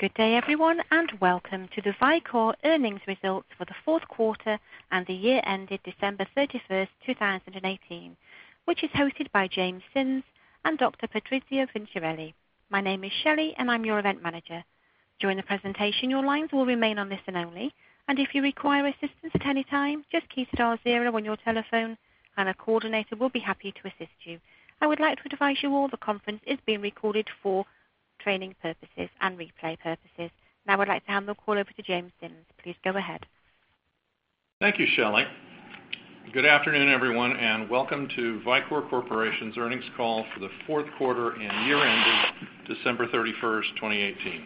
Good day, everyone, and welcome to the Vicor earnings results for the fourth quarter and the year ended December 31st, 2018, which is hosted by James Simms and Dr. Patrizio Vinciarelli. My name is Shelley, and I'm your event manager. During the presentation, your lines will remain on listen only, and if you require assistance at any time, just key star zero on your telephone and a coordinator will be happy to assist you. I would like to advise you all the conference is being recorded for training purposes and replay purposes. Now I'd like to hand the call over to James Simms. Please go ahead. Thank you, Shelley. Good afternoon, everyone, and welcome to Vicor Corporation's earnings call for the fourth quarter and year ended December 31st, 2018.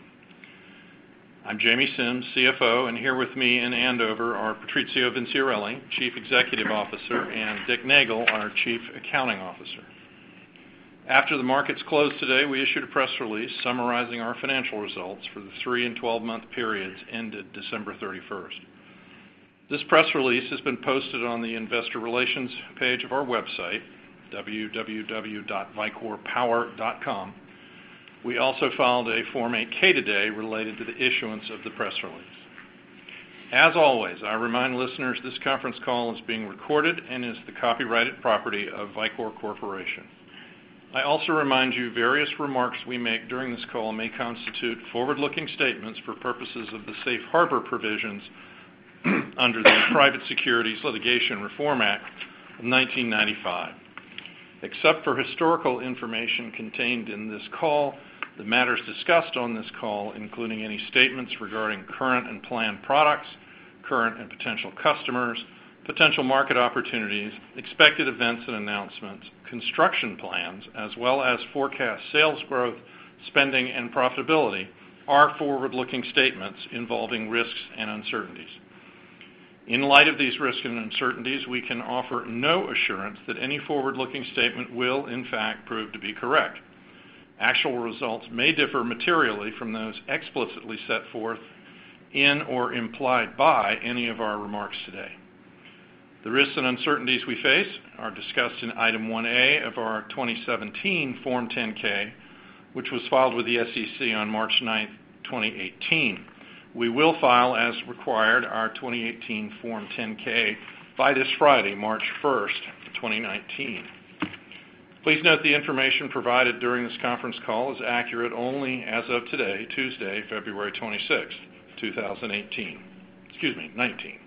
I'm Jamie Simms, CFO, and here with me in Andover are Patrizio Vinciarelli, Chief Executive Officer, and Dick Nagel, our Chief Accounting Officer. After the markets closed today, we issued a press release summarizing our financial results for the three and 12-month periods ended December 31st. This press release has been posted on the investor relations page of our website, www.vicorpower.com. We also filed a Form 8-K today related to the issuance of the press release. As always, I remind listeners this conference call is being recorded and is the copyrighted property of Vicor Corporation. I also remind you various remarks we make during this call may constitute forward-looking statements for purposes of the safe harbor provisions under the Private Securities Litigation Reform Act of 1995. Except for historical information contained in this call, the matters discussed on this call, including any statements regarding current and planned products, current and potential customers, potential market opportunities, expected events and announcements, construction plans, as well as forecast sales growth, spending, and profitability are forward-looking statements involving risks and uncertainties. In light of these risks and uncertainties, we can offer no assurance that any forward-looking statement will in fact prove to be correct. Actual results may differ materially from those explicitly set forth in or implied by any of our remarks today. The risks and uncertainties we face are discussed in Item 1A of our 2017 Form 10-K, which was filed with the SEC on March 9th, 2018. We will file as required our 2018 Form 10-K by this Friday, March 1st, 2019. Please note the information provided during this conference call is accurate only as of today, Tuesday, February 26th, 2018. Excuse me, '19.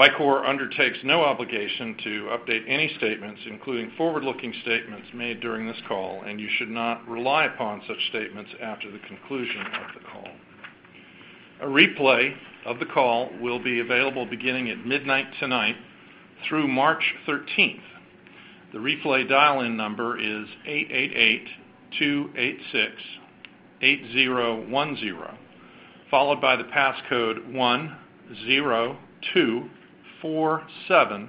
Vicor undertakes no obligation to update any statements, including forward-looking statements made during this call, and you should not rely upon such statements after the conclusion of the call. A replay of the call will be available beginning at midnight tonight through March 13th. The replay dial-in number is 888-286-8010, followed by the passcode 10247812. In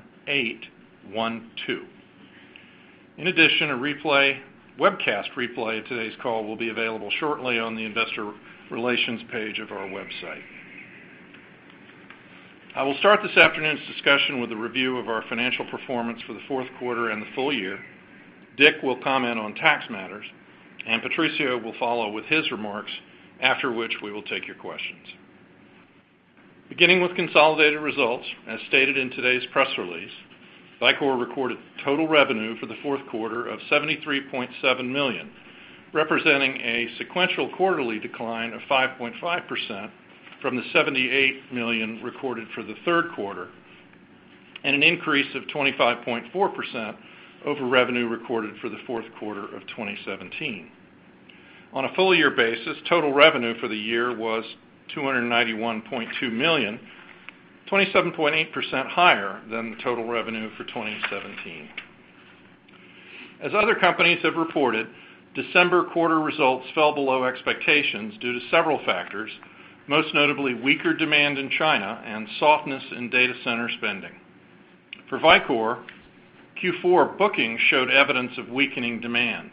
addition, a webcast replay of today's call will be available shortly on the investor relations page of our website. I will start this afternoon's discussion with a review of our financial performance for the fourth quarter and the full year. Dick will comment on tax matters, and Patrizio will follow with his remarks, after which we will take your questions. Beginning with consolidated results, as stated in today's press release, Vicor recorded total revenue for the fourth quarter of $73.7 million, representing a sequential quarterly decline of 5.5% from the $78 million recorded for the third quarter, and an increase of 25.4% over revenue recorded for the fourth quarter of 2017. On a full-year basis, total revenue for the year was $291.2 million, 27.8% higher than the total revenue for 2017. As other companies have reported, December quarter results fell below expectations due to several factors, most notably weaker demand in China and softness in data center spending. For Vicor, Q4 bookings showed evidence of weakening demand.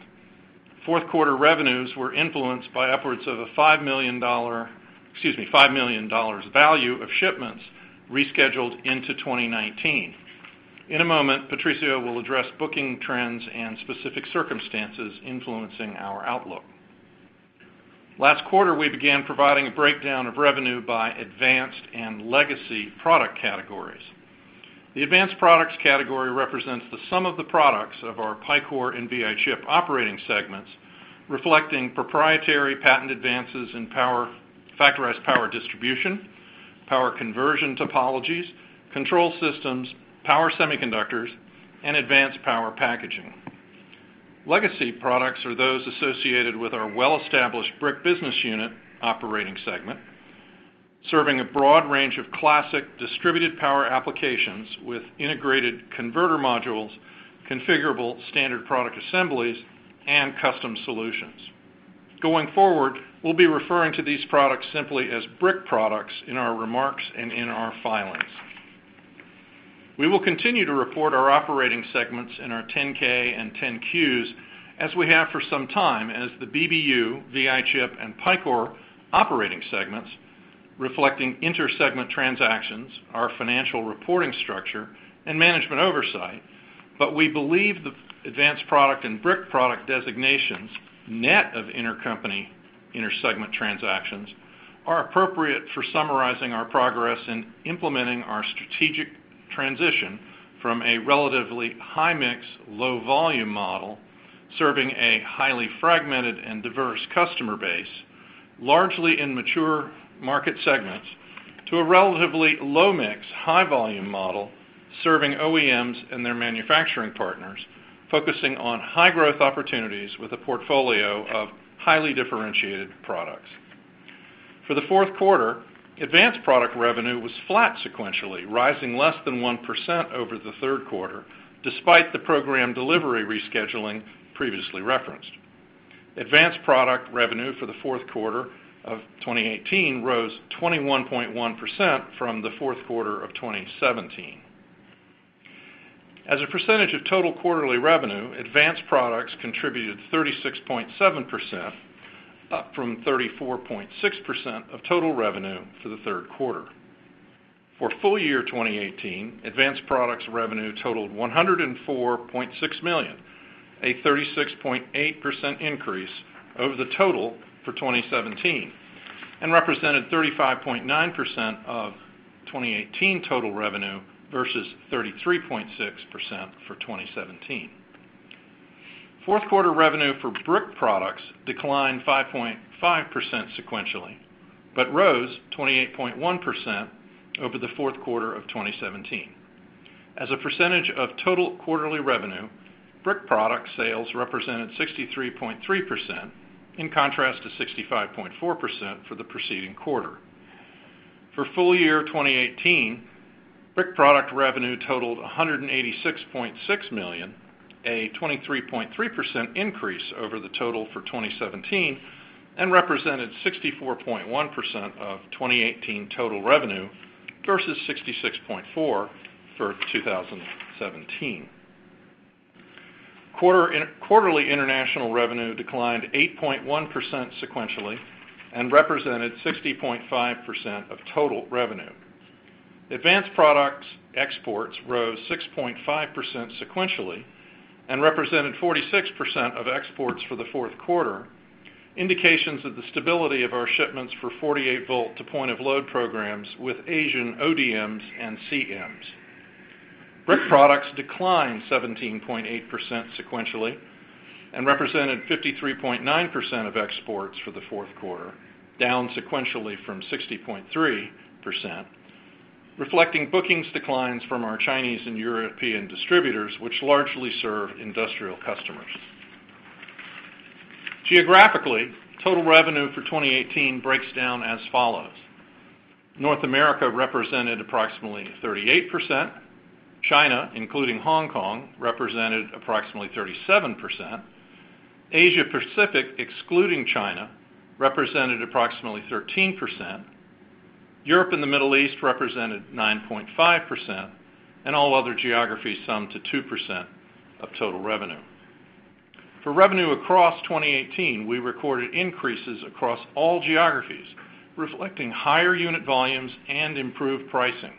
Fourth quarter revenues were influenced by upwards of a $5 million value of shipments rescheduled into 2019. In a moment, Patrizio will address booking trends and specific circumstances influencing our outlook. Last quarter, we began providing a breakdown of revenue by advanced and legacy product categories. The advanced products category represents the sum of the products of our Picor and VI Chip operating segments, reflecting proprietary patent advances in factorized power distribution, power conversion topologies, control systems, power semiconductors, and advanced power packaging. Legacy products are those associated with our well-established brick business unit operating segment, serving a broad range of classic distributed power applications with integrated converter modules, configurable standard product assemblies, and custom solutions. Going forward, we'll be referring to these products simply as brick products in our remarks and in our filings. We will continue to report our operating segments in our 10-K and 10-Qs as we have for some time as the BBU, VI Chip, and Picor operating segments, reflecting inter-segment transactions, our financial reporting structure and management oversight. We believe the advanced product and brick product designations, net of intercompany inter-segment transactions, are appropriate for summarizing our progress in implementing our strategic transition from a relatively high-mix, low-volume model, serving a highly fragmented and diverse customer base, largely in mature market segments, to a relatively low-mix, high-volume model, serving OEMs and their manufacturing partners, focusing on high-growth opportunities with a portfolio of highly differentiated products. For the fourth quarter, advanced product revenue was flat sequentially, rising less than 1% over the third quarter, despite the program delivery rescheduling previously referenced. Advanced product revenue for the fourth quarter of 2018 rose 21.1% from the fourth quarter of 2017. As a percentage of total quarterly revenue, advanced products contributed 36.7%, up from 34.6% of total revenue for the third quarter. For full year 2018, advanced products revenue totaled $104.6 million, a 36.8% increase over the total for 2017, and represented 35.9% of 2018 total revenue versus 33.6% for 2017. Fourth quarter revenue for brick products declined 5.5% sequentially, but rose 28.1% over the fourth quarter of 2017. As a percentage of total quarterly revenue, brick product sales represented 63.3%, in contrast to 65.4% for the preceding quarter. For full year 2018, brick product revenue totaled $186.6 million, a 23.3% increase over the total for 2017 and represented 64.1% of 2018 total revenue versus 66.4% for 2017. Quarterly international revenue declined 8.1% sequentially and represented 60.5% of total revenue. Advanced products exports rose 6.5% sequentially and represented 46% of exports for the fourth quarter, indications of the stability of our shipments for 48-volt to point-of-load programs with Asian ODMs and CMs. Brick products declined 17.8% sequentially and represented 53.9% of exports for the fourth quarter, down sequentially from 60.3%, reflecting bookings declines from our Chinese and European distributors, which largely serve industrial customers. Geographically, total revenue for 2018 breaks down as follows: North America represented approximately 38%, China, including Hong Kong, represented approximately 37%, Asia Pacific, excluding China, represented approximately 13%, Europe and the Middle East represented 9.5%, and all other geographies sum to 2% of total revenue. For revenue across 2018, we recorded increases across all geographies, reflecting higher unit volumes and improved pricing.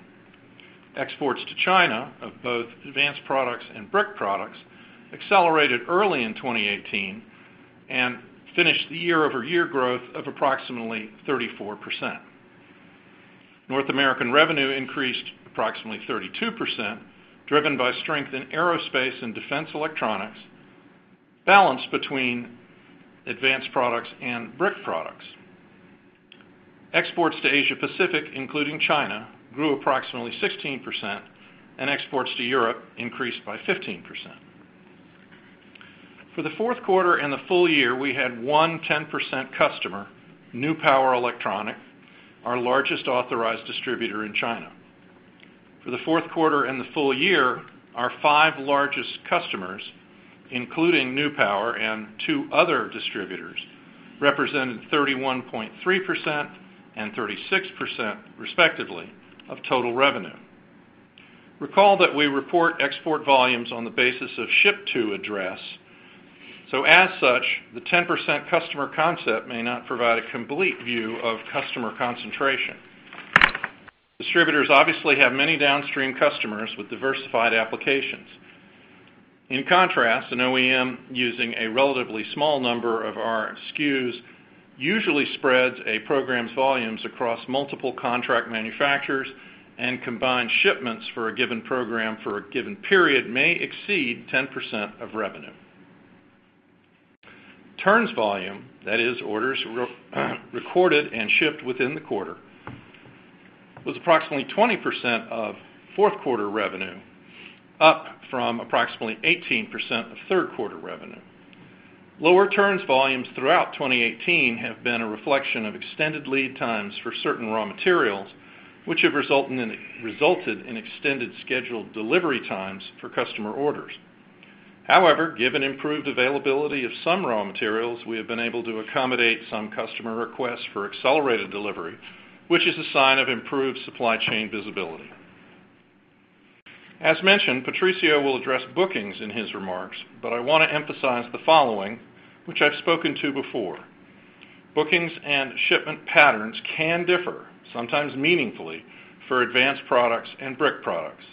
Exports to China of both advanced products and brick products accelerated early in 2018 and finished the year-over-year growth of approximately 34%. North American revenue increased approximately 32%, driven by strength in aerospace and defense electronics, balanced between advanced products and brick products. Exports to Asia Pacific, including China, grew approximately 16%, and exports to Europe increased by 15%. For the fourth quarter and the full year, we had one 10% customer, New Power Electronics, our largest authorized distributor in China. For the fourth quarter and the full year, our five largest customers, including New Power and two other distributors, represented 31.3% and 36%, respectively, of total revenue. Recall that we report export volumes on the basis of ship-to address. As such, the 10% customer concept may not provide a complete view of customer concentration. Distributors obviously have many downstream customers with diversified applications. In contrast, an OEM using a relatively small number of our SKUs usually spreads a program's volumes across multiple contract manufacturers and combined shipments for a given program for a given period may exceed 10% of revenue. Turns volume, that is, orders recorded and shipped within the quarter, was approximately 20% of fourth quarter revenue, up from approximately 18% of third quarter revenue. Lower turns volumes throughout 2018 have been a reflection of extended lead times for certain raw materials, which have resulted in extended scheduled delivery times for customer orders. However, given improved availability of some raw materials, we have been able to accommodate some customer requests for accelerated delivery, which is a sign of improved supply chain visibility. As mentioned, Patrizio will address bookings in his remarks, but I want to emphasize the following, which I've spoken to before. Bookings and shipment patterns can differ, sometimes meaningfully, for advanced products and brick products.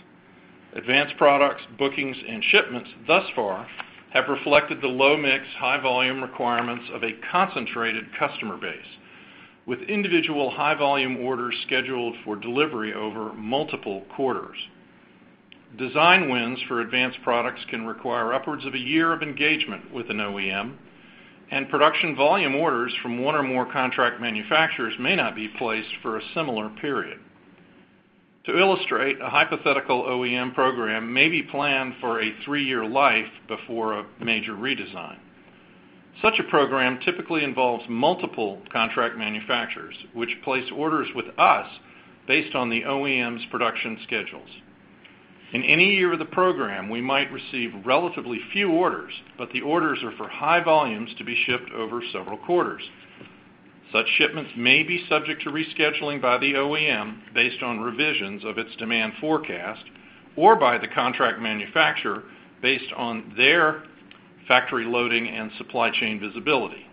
Advanced products, bookings, and shipments thus far have reflected the low mix, high volume requirements of a concentrated customer base with individual high-volume orders scheduled for delivery over multiple quarters. Design wins for advanced products can require upwards of a year of engagement with an OEM, and production volume orders from one or more contract manufacturers may not be placed for a similar period. To illustrate, a hypothetical OEM program may be planned for a three-year life before a major redesign. Such a program typically involves multiple contract manufacturers, which place orders with us based on the OEM's production schedules. In any year of the program, we might receive relatively few orders, but the orders are for high volumes to be shipped over several quarters. Such shipments may be subject to rescheduling by the OEM based on revisions of its demand forecast or by the contract manufacturer based on their factory loading and supply chain visibility.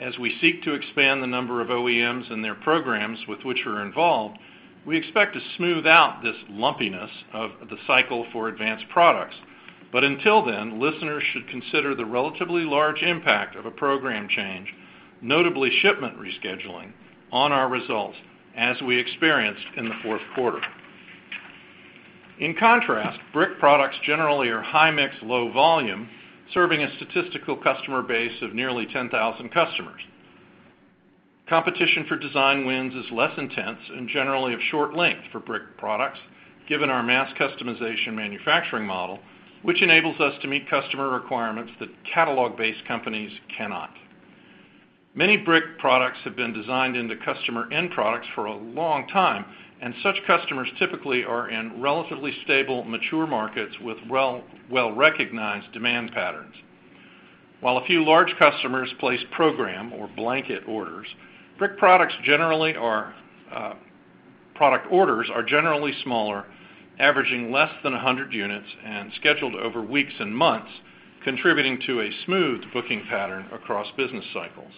As we seek to expand the number of OEMs and their programs with which we're involved, we expect to smooth out this lumpiness of the cycle for advanced products. Until then, listeners should consider the relatively large impact of a program change, notably shipment rescheduling, on our results as we experienced in the fourth quarter. In contrast, brick products generally are high mix, low volume, serving a statistical customer base of nearly 10,000 customers. Competition for design wins is less intense and generally of short length for brick products, given our mass customization manufacturing model, which enables us to meet customer requirements that catalog-based companies cannot. Many brick products have been designed into customer end products for a long time, and such customers typically are in relatively stable, mature markets with well-recognized demand patterns. While a few large customers place program or blanket orders, brick product orders are generally smaller, averaging less than 100 units and scheduled over weeks and months, contributing to a smooth booking pattern across business cycles.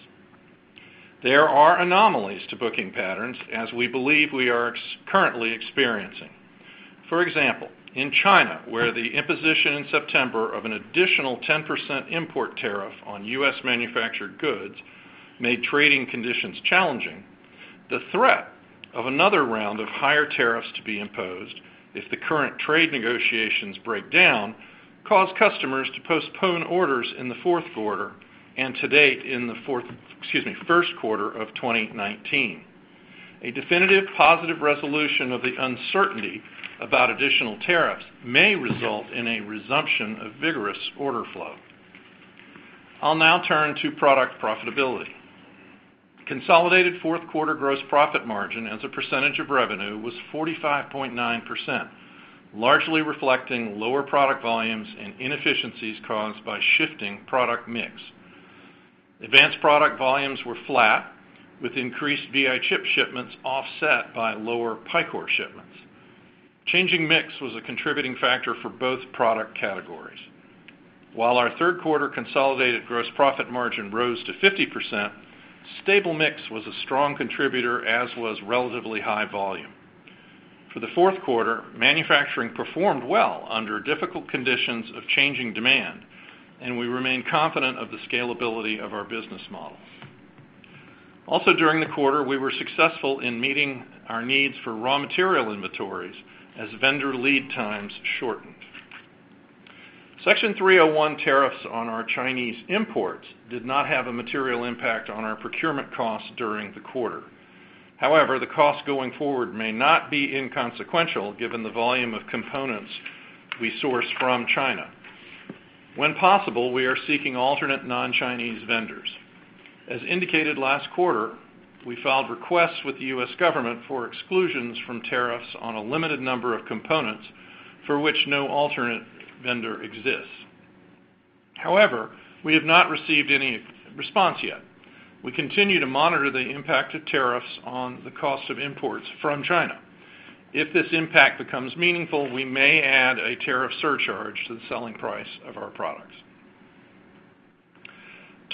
There are anomalies to booking patterns as we believe we are currently experiencing. For example, in China, where the imposition in September of an additional 10% import tariff on U.S. manufactured goods made trading conditions challenging, the threat of another round of higher tariffs to be imposed if the current trade negotiations break down, caused customers to postpone orders in the fourth quarter and to date in the first quarter of 2019. A definitive positive resolution of the uncertainty about additional tariffs may result in a resumption of vigorous order flow. I'll now turn to product profitability. Consolidated fourth quarter gross profit margin as a percentage of revenue was 45.9%, largely reflecting lower product volumes and inefficiencies caused by shifting product mix. Advanced product volumes were flat, with increased VI Chip shipments offset by lower Picor shipments. Changing mix was a contributing factor for both product categories. While our third quarter consolidated gross profit margin rose to 50%, stable mix was a strong contributor, as was relatively high volume. For the fourth quarter, manufacturing performed well under difficult conditions of changing demand, and we remain confident of the scalability of our business model. Also during the quarter, we were successful in meeting our needs for raw material inventories as vendor lead times shortened. Section 301 tariffs on our Chinese imports did not have a material impact on our procurement costs during the quarter. The cost going forward may not be inconsequential given the volume of components we source from China. When possible, we are seeking alternate non-Chinese vendors. As indicated last quarter, we filed requests with the U.S. government for exclusions from tariffs on a limited number of components for which no alternate vendor exists. We have not received any response yet. We continue to monitor the impact of tariffs on the cost of imports from China. If this impact becomes meaningful, we may add a tariff surcharge to the selling price of our products.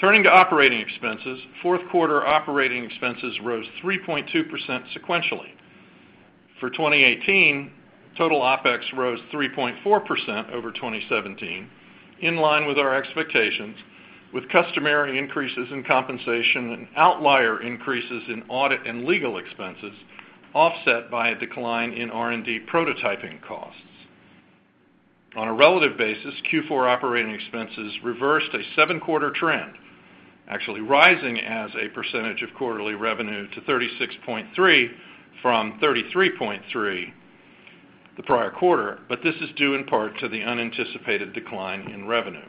Turning to operating expenses, fourth quarter operating expenses rose 3.2% sequentially. For 2018, total OpEx rose 3.4% over 2017, in line with our expectations, with customary increases in compensation and outlier increases in audit and legal expenses offset by a decline in R&D prototyping costs. On a relative basis, Q4 operating expenses reversed a seven-quarter trend, actually rising as a percentage of quarterly revenue to 36.3% from 33.3% the prior quarter. This is due in part to the unanticipated decline in revenue.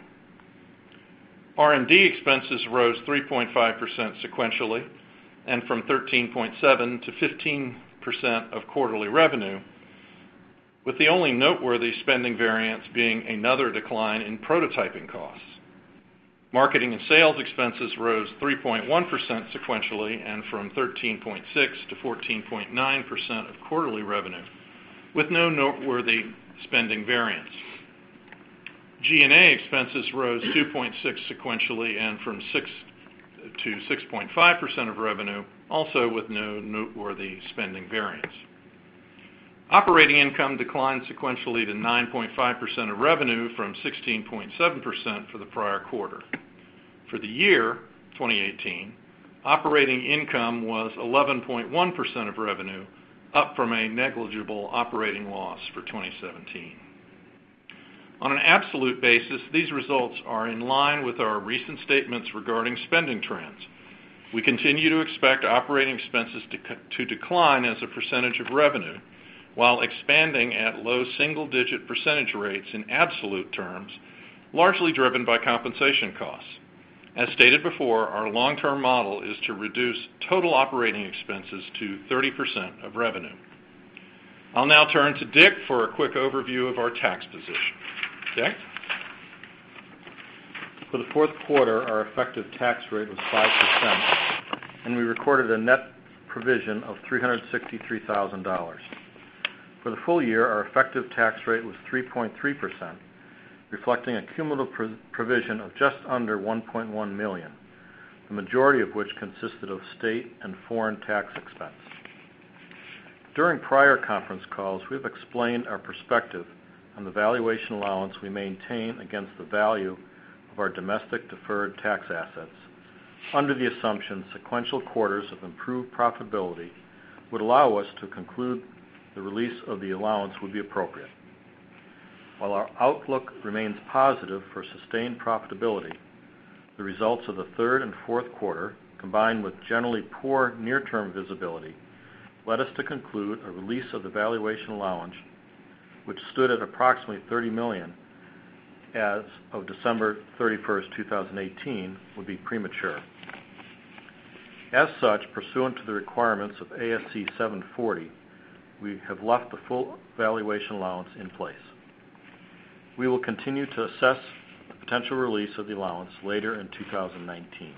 R&D expenses rose 3.5% sequentially and from 13.7% to 15% of quarterly revenue, with the only noteworthy spending variance being another decline in prototyping costs. Marketing and sales expenses rose 3.1% sequentially and from 13.6% to 14.9% of quarterly revenue, with no noteworthy spending variance. G&A expenses rose 2.6% sequentially and from 6% to 6.5% of revenue, also with no noteworthy spending variance. Operating income declined sequentially to 9.5% of revenue from 16.7% for the prior quarter. For the year 2018, operating income was 11.1% of revenue, up from a negligible operating loss for 2017. On an absolute basis, these results are in line with our recent statements regarding spending trends. We continue to expect operating expenses to decline as a percentage of revenue, while expanding at low single-digit percentage rates in absolute terms, largely driven by compensation costs. As stated before, our long-term model is to reduce total operating expenses to 30% of revenue. I will now turn to Dick for a quick overview of our tax position. Dick? For the fourth quarter, our effective tax rate was 5%. We recorded a net provision of $363,000. For the full year, our effective tax rate was 3.3%, reflecting a cumulative provision of just under $1.1 million, the majority of which consisted of state and foreign tax expense. During prior conference calls, we have explained our perspective on the valuation allowance we maintain against the value of our domestic deferred tax assets under the assumption sequential quarters of improved profitability would allow us to conclude the release of the allowance would be appropriate. While our outlook remains positive for sustained profitability, the results of the third and fourth quarter, combined with generally poor near-term visibility, led us to conclude a release of the valuation allowance, which stood at approximately $30 million as of December 31, 2018, would be premature. Pursuant to the requirements of ASC 740, we have left the full valuation allowance in place. We will continue to assess the potential release of the allowance later in 2019.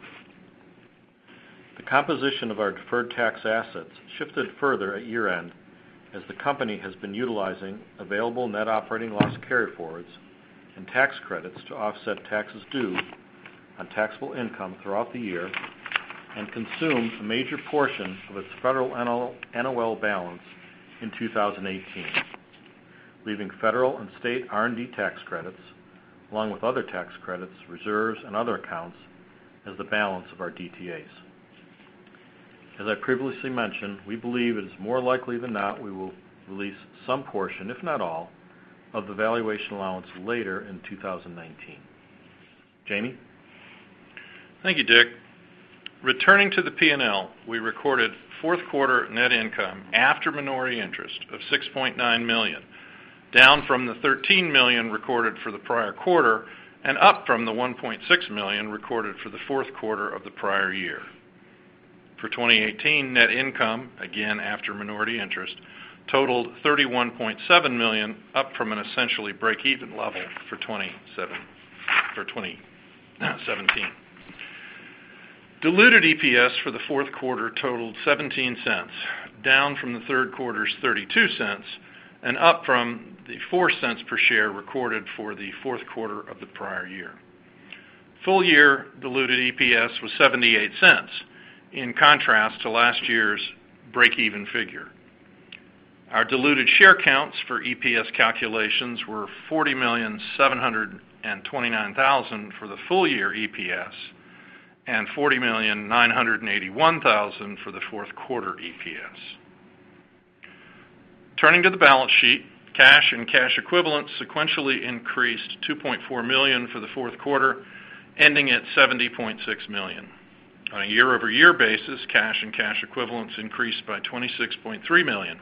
The composition of our deferred tax assets shifted further at year-end as the company has been utilizing available net operating loss carryforwards and tax credits to offset taxes due on taxable income throughout the year and consumed a major portion of its federal NOL balance in 2018, leaving federal and state R&D tax credits, along with other tax credits, reserves, and other accounts as the balance of our DTAs. As I previously mentioned, we believe it is more likely than not we will release some portion, if not all, of the valuation allowance later in 2019. Jamie? Thank you, Dick. Returning to the P&L, we recorded fourth quarter net income after minority interest of $6.9 million, down from the $13 million recorded for the prior quarter and up from the $1.6 million recorded for the fourth quarter of the prior year. For 2018, net income, again, after minority interest, totaled $31.7 million, up from an essentially breakeven level for 2017. Diluted EPS for the fourth quarter totaled $0.17, down from the third quarter's $0.32 and up from the $0.04 per share recorded for the fourth quarter of the prior year. Full-year diluted EPS was $0.78, in contrast to last year's breakeven figure. Our diluted share counts for EPS calculations were 40,729,000 for the full-year EPS and 40,981,000 for the fourth quarter EPS. Turning to the balance sheet, cash and cash equivalents sequentially increased to $2.4 million for the fourth quarter, ending at $70.6 million. On a year-over-year basis, cash and cash equivalents increased by $26.3 million,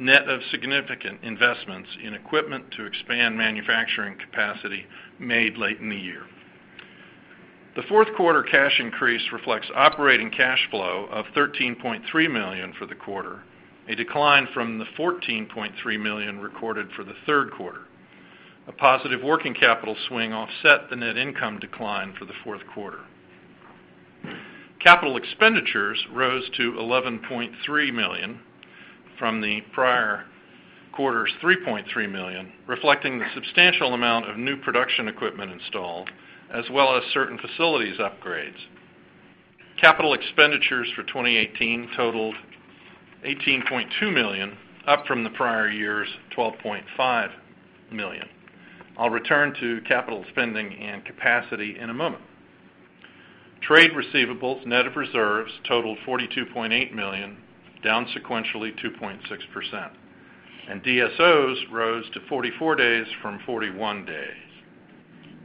net of significant investments in equipment to expand manufacturing capacity made late in the year. The fourth quarter cash increase reflects operating cash flow of $13.3 million for the quarter, a decline from the $14.3 million recorded for the third quarter. A positive working capital swing offset the net income decline for the fourth quarter. Capital expenditures rose to $11.3 million from the prior quarter's $3.3 million, reflecting the substantial amount of new production equipment installed, as well as certain facilities upgrades. Capital expenditures for 2018 totaled $18.2 million, up from the prior year's $12.5 million. I'll return to capital spending and capacity in a moment. Trade receivables, net of reserves, totaled $42.8 million, down sequentially 2.6%. DSOs rose to 44 days from 41 days.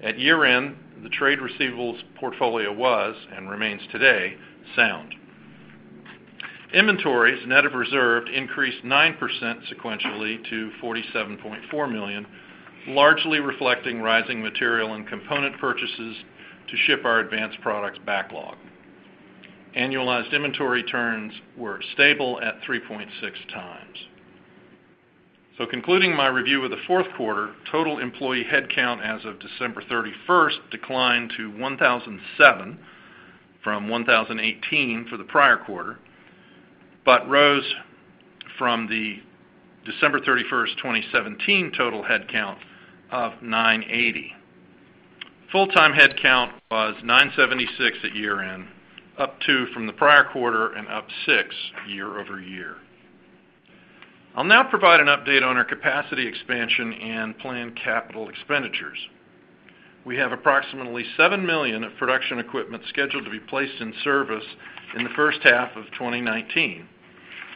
At year-end, the trade receivables portfolio was, and remains today, sound. Inventories, net of reserves, increased 9% sequentially to $47.4 million, largely reflecting rising material and component purchases to ship our advanced products backlog. Annualized inventory turns were stable at 3.6 times. Concluding my review of the fourth quarter, total employee headcount as of December 31st declined to 1,007 from 1,018 for the prior quarter, but rose from the December 31st, 2017 total headcount of 980. Full-time headcount was 976 at year-end, up two from the prior quarter and up six year-over-year. I'll now provide an update on our capacity expansion and planned capital expenditures. We have approximately $7 million of production equipment scheduled to be placed in service in the first half of 2019,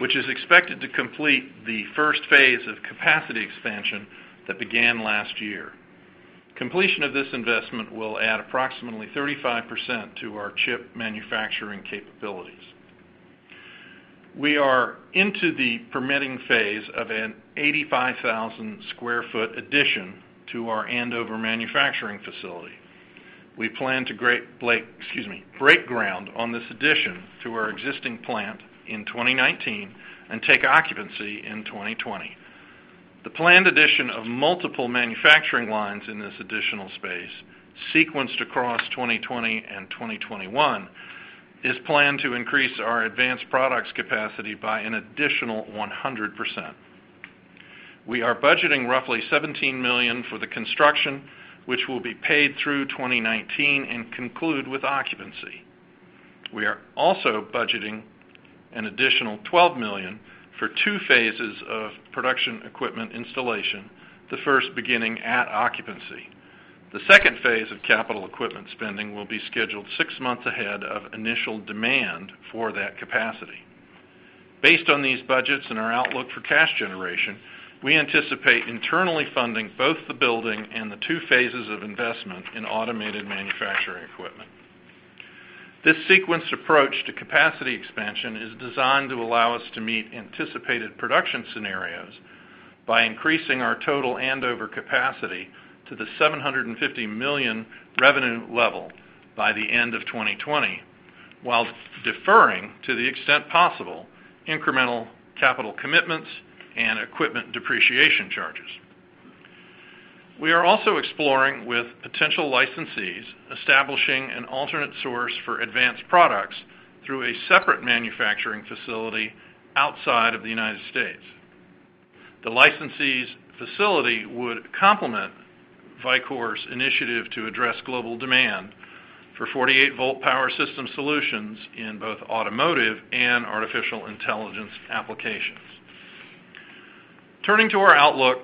which is expected to complete the first phase of capacity expansion that began last year. Completion of this investment will add approximately 35% to our chip manufacturing capabilities. We are into the permitting phase of an 85,000 sq ft addition to our Andover manufacturing facility. We plan to break ground on this addition to our existing plant in 2019 and take occupancy in 2020. The planned addition of multiple manufacturing lines in this additional space, sequenced across 2020 and 2021, is planned to increase our advanced products capacity by an additional 100%. We are budgeting roughly $17 million for the construction, which will be paid through 2019 and conclude with occupancy. We are also budgeting an additional $12 million for two phases of production equipment installation, the first beginning at occupancy. The second phase of capital equipment spending will be scheduled six months ahead of initial demand for that capacity. Based on these budgets and our outlook for cash generation, we anticipate internally funding both the building and the two phases of investment in automated manufacturing equipment. This sequenced approach to capacity expansion is designed to allow us to meet anticipated production scenarios by increasing our total Andover capacity to the $750 million revenue level by the end of 2020, while deferring, to the extent possible, incremental capital commitments and equipment depreciation charges. We are also exploring, with potential licensees, establishing an alternate source for advanced products through a separate manufacturing facility outside of the U.S. The licensee's facility would complement Vicor's initiative to address global demand for 48-volt power system solutions in both automotive and artificial intelligence applications. Turning to our outlook,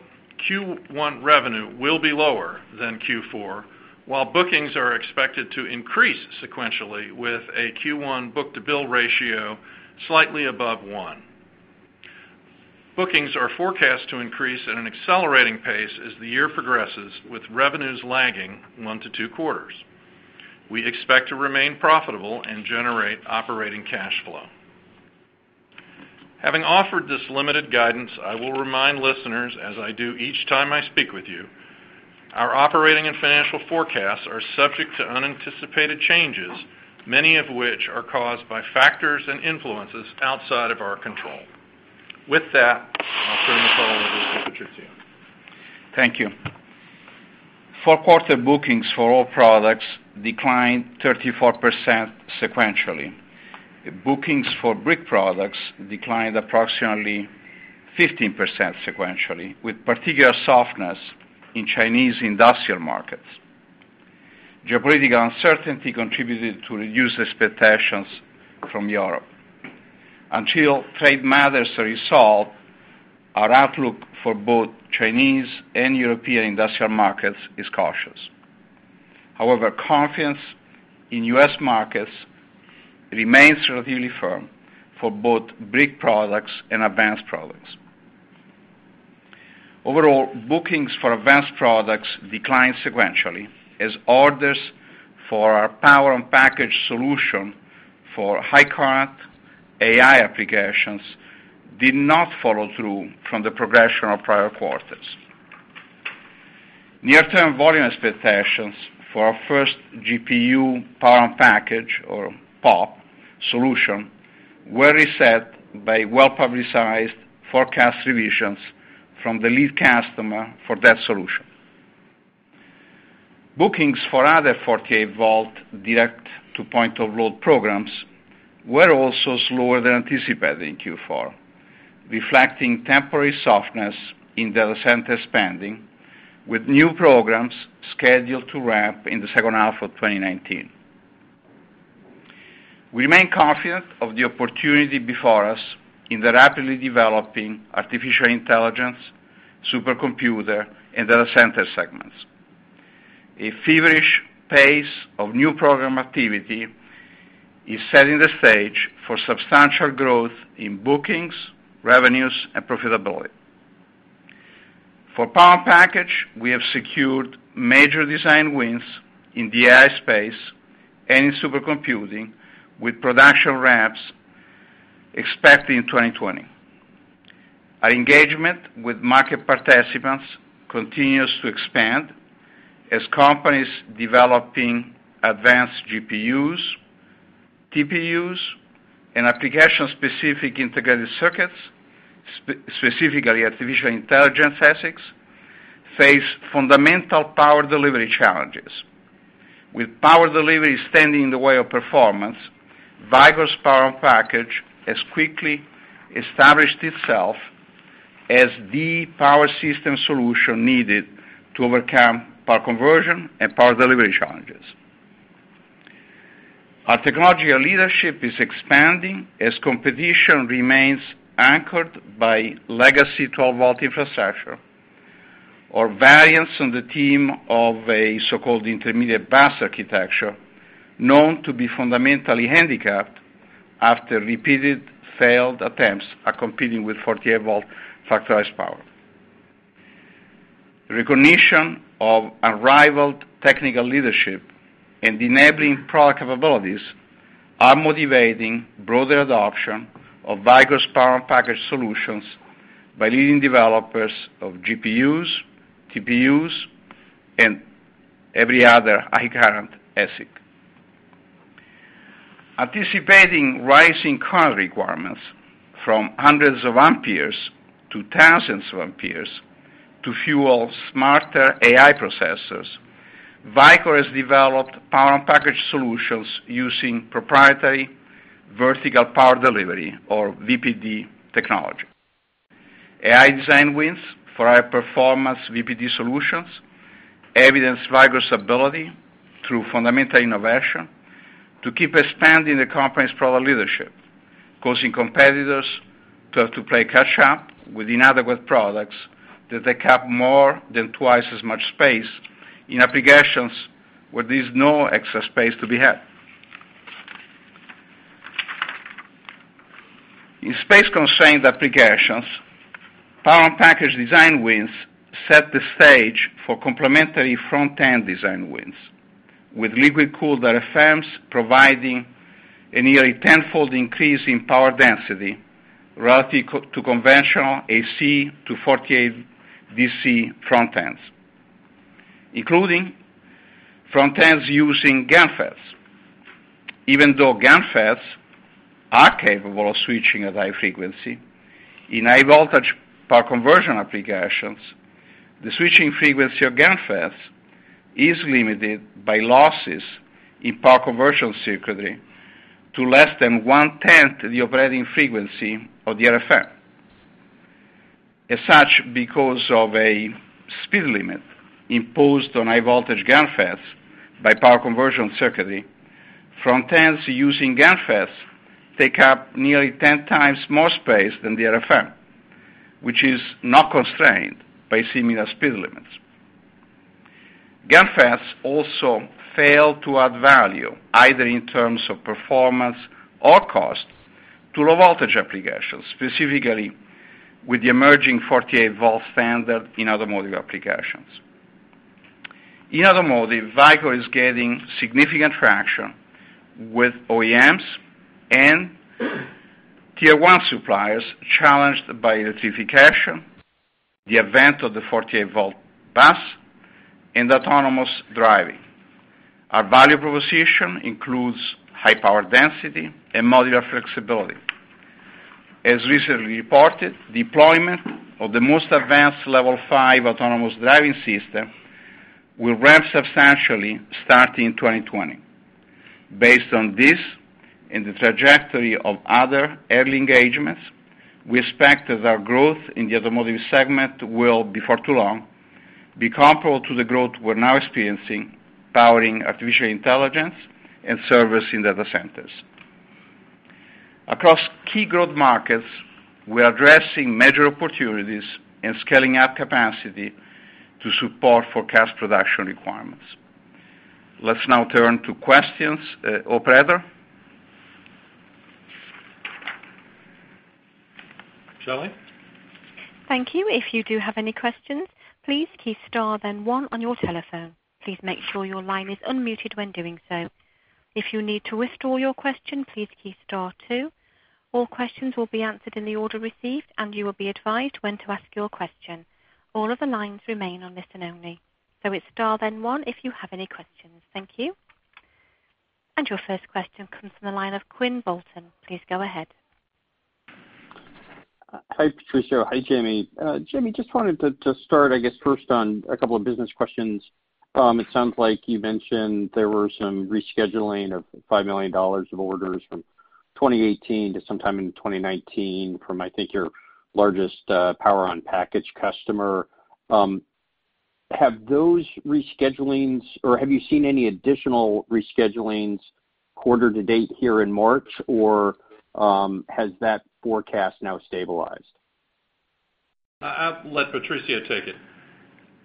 Q1 revenue will be lower than Q4, while bookings are expected to increase sequentially with a Q1 book-to-bill ratio slightly above one. Bookings are forecast to increase at an accelerating pace as the year progresses, with revenues lagging one to two quarters. We expect to remain profitable and generate operating cash flow. Having offered this limited guidance, I will remind listeners, as I do each time I speak with you, our operating and financial forecasts are subject to unanticipated changes, many of which are caused by factors and influences outside of our control. With that, I'll turn the call over to Patrizio. Thank you. Fourth quarter bookings for all products declined 34% sequentially. Bookings for brick products declined approximately 15% sequentially, with particular softness in Chinese industrial markets. Geopolitical uncertainty contributed to reduced expectations from Europe. Until trade matters are resolved, our outlook for both Chinese and European industrial markets is cautious. However, confidence in U.S. markets remains relatively firm for both brick products and advanced products. Overall, bookings for advanced products declined sequentially as orders for our Power-on-Package solution for high current AI applications did not follow through from the progression of prior quarters. Near-term volume expectations for our first GPU Power-on-Package, or PoP, solution were reset by well-publicized forecast revisions from the lead customer for that solution. Bookings for other 48-volt direct to point-of-load programs were also slower than anticipated in Q4, reflecting temporary softness in data center spending, with new programs scheduled to ramp in the second half of 2019. We remain confident of the opportunity before us in the rapidly developing artificial intelligence, supercomputer, and data center segments. A feverish pace of new program activity is setting the stage for substantial growth in bookings, revenues, and profitability. For Power-on-Package, we have secured major design wins in the AI space and in supercomputing, with production ramps expected in 2020. Our engagement with market participants continues to expand as companies developing advanced GPUs, TPUs and application-specific integrated circuits, specifically artificial intelligence ASICs, face fundamental power delivery challenges. With power delivery standing in the way of performance, Vicor's Power-on-Package has quickly established itself as the power system solution needed to overcome power conversion and power delivery challenges. Our technological leadership is expanding as competition remains anchored by legacy 12-volt infrastructure, or variants on the theme of a so-called intermediate bus architecture, known to be fundamentally handicapped after repeated failed attempts at competing with 48-volt Factorized Power. Recognition of unrivaled technical leadership and enabling product capabilities are motivating broader adoption of Vicor's Power-on-Package solutions by leading developers of GPUs, TPUs, and every other high current ASIC. Anticipating rising current requirements from hundreds of amperes to thousands of amperes to fuel smarter AI processors, Vicor has developed Power-on-Package solutions using proprietary vertical power delivery, or VPD technology. AI design wins for high-performance VPD solutions evidence Vicor's ability through fundamental innovation to keep expanding the company's product leadership, causing competitors to have to play catch up with inadequate products that take up more than twice as much space in applications where there's no extra space to be had. In space-constrained applications, Power-on-Package design wins set the stage for complementary front-end design wins, with liquid-cooled RFMs providing a nearly 10-fold increase in power density relative to conventional AC to 48 DC front-ends, including front-ends using GaN FETs. Even though GaN FETs are capable of switching at high frequency, in high voltage power conversion applications, the switching frequency of GaN FETs is limited by losses in power conversion circuitry to less than one-tenth the operating frequency of the RFM. As such, because of a speed limit imposed on high voltage GaN FETs by power conversion circuitry, front-ends using GaN FETs take up nearly 10 times more space than the RFM, which is not constrained by similar speed limits. GaN FETs also fail to add value, either in terms of performance or cost, to low voltage applications, specifically with the emerging 48-volt standard in automotive applications. In automotive, Vicor is gaining significant traction with OEMs and tier 1 suppliers challenged by electrification, the advent of the 48-volt bus, and autonomous driving. Our value proposition includes high power density and modular flexibility. As recently reported, deployment of the most advanced Level 5 autonomous driving system will ramp substantially starting in 2020. Based on this and the trajectory of other early engagements, we expect that our growth in the automotive segment will, before too long, be comparable to the growth we're now experiencing powering artificial intelligence and servers in data centers. Across key growth markets, we're addressing major opportunities and scaling up capacity to support forecast production requirements. Let's now turn to questions. Operator? Shelley? Thank you. If you do have any questions, please key star then one on your telephone. Please make sure your line is unmuted when doing so. If you need to withdraw your question, please key star two. All questions will be answered in the order received, and you will be advised when to ask your question. All other lines remain on listen only. It's star then one if you have any questions. Thank you. Your first question comes from the line of Quinn Bolton. Please go ahead. Hi, Patrizio. Hi, Jamie. Jamie, just wanted to start, I guess, first on a couple of business questions. It sounds like you mentioned there were some rescheduling of $5 million of orders from 2018 to sometime in 2019 from, I think, your largest Power-on-Package customer. Have those reschedulings, or have you seen any additional reschedulings quarter to date here in March, or has that forecast now stabilized? I'll let Patrizio take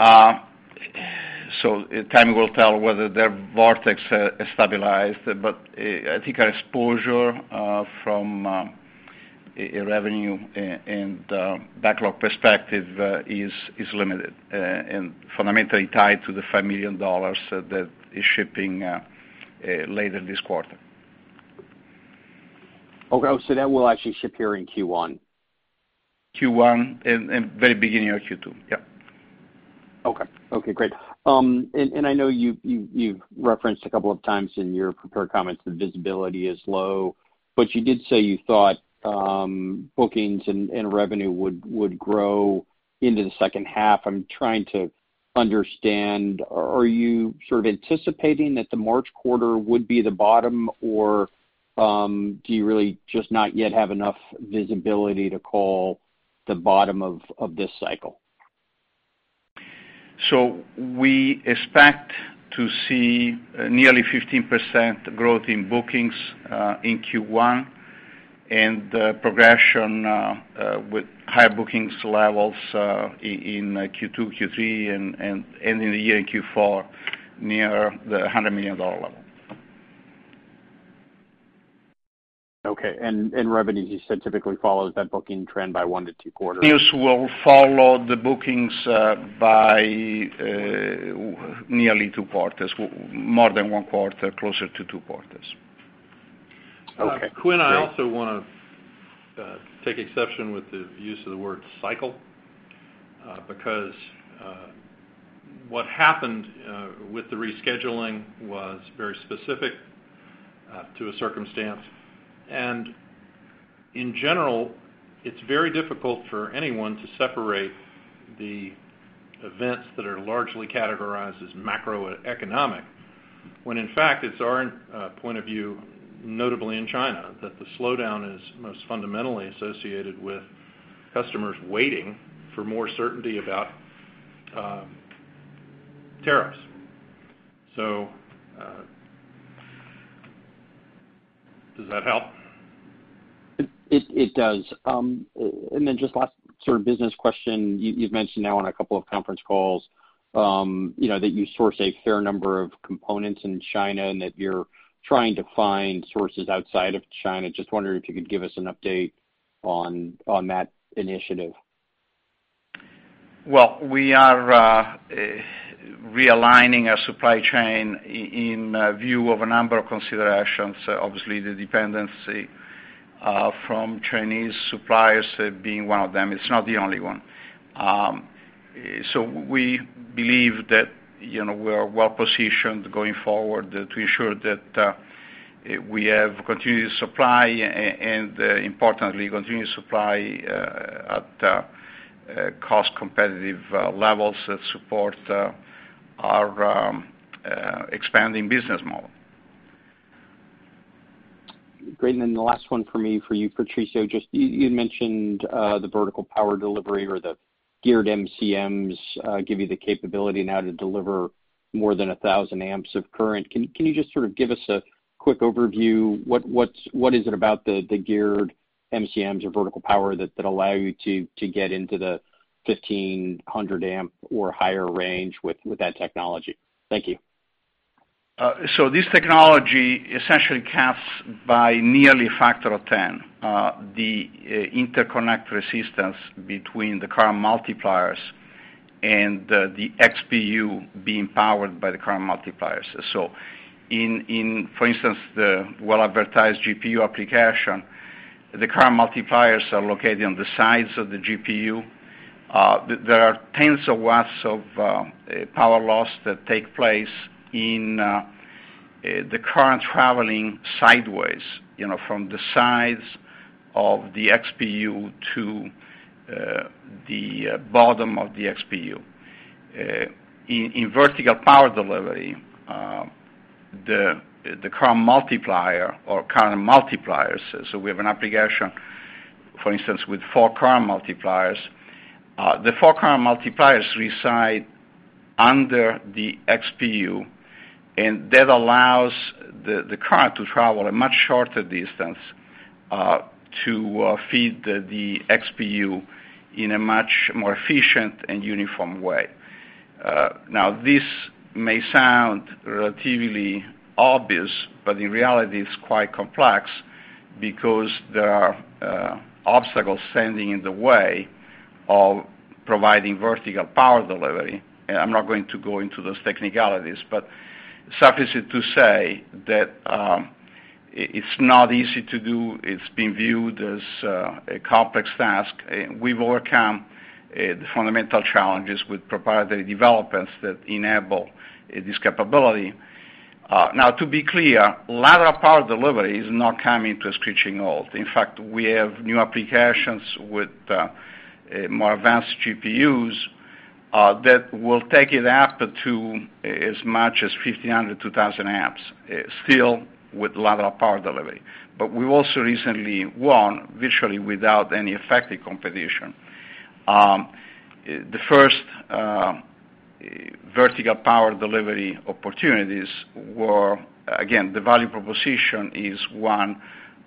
it. Time will tell whether their forecast has stabilized, but I think our exposure from a revenue and backlog perspective is limited and fundamentally tied to the $5 million that is shipping later this quarter. Okay. That will actually ship here in Q1? Q1 and very beginning of Q2. Yep. Okay, great. I know you've referenced a couple of times in your prepared comments that visibility is low, but you did say you thought bookings and revenue would grow into the second half. I'm trying to understand, are you sort of anticipating that the March quarter would be the bottom, or do you really just not yet have enough visibility to call the bottom of this cycle? We expect to see nearly 15% growth in bookings in Q1, and progression with higher bookings levels in Q2, Q3, and ending the year in Q4 near the $100 million level. Okay, revenue you said typically follows that booking trend by one to two quarters. This will follow the bookings by nearly two quarters, more than one quarter, closer to two quarters. Okay, great. Quinn, I also want to take exception with the use of the word cycle, because what happened with the rescheduling was very specific to a circumstance, and in general, it's very difficult for anyone to separate the events that are largely categorized as macroeconomic, when in fact, it's our point of view, notably in China, that the slowdown is most fundamentally associated with customers waiting for more certainty about tariffs. Does that help? It does. Just last sort of business question, you've mentioned now on a couple of conference calls that you source a fair number of components in China, and that you're trying to find sources outside of China. Just wondering if you could give us an update on that initiative. Well, we are realigning our supply chain in view of a number of considerations, obviously, the dependency from Chinese suppliers being one of them. It's not the only one. We believe that we are well-positioned going forward to ensure that we have continued supply, and importantly, continued supply at cost-competitive levels that support our expanding business model. Great. The last one from me for you, Patrizio, just you mentioned the vertical power delivery or the geared MCMs give you the capability now to deliver more than 1,000 amps of current. Can you just sort of give us a quick overview? What is it about the geared MCMs or vertical power that allow you to get into the 1,500 amp or higher range with that technology? Thank you. This technology essentially caps by nearly a factor of 10, the interconnect resistance between the Current Multipliers and the XPU being powered by the Current Multipliers. For instance, the well-advertised GPU application, the Current Multipliers are located on the sides of the GPU. There are tens of watts of power loss that take place in the current traveling sideways from the sides of the XPU to the bottom of the XPU. In vertical power delivery, the Current Multiplier or Current Multipliers, we have an application, for instance, with four Current Multipliers. The four Current Multipliers reside under the XPU, and that allows the current to travel a much shorter distance to feed the XPU in a much more efficient and uniform way. This may sound relatively obvious, but in reality, it's quite complex because there are obstacles standing in the way of providing vertical power delivery. I'm not going to go into those technicalities, suffice it to say that it's not easy to do. It's been viewed as a complex task. We've overcome the fundamental challenges with proprietary developments that enable this capability. To be clear, lateral power delivery is not coming to a screeching halt. In fact, we have new applications with more advanced GPUs that will take it up to as much as 1,500, 2,000 amps, still with lateral power delivery. We also recently won, virtually without any effective competition, the first vertical power delivery opportunities were, again, the value proposition is one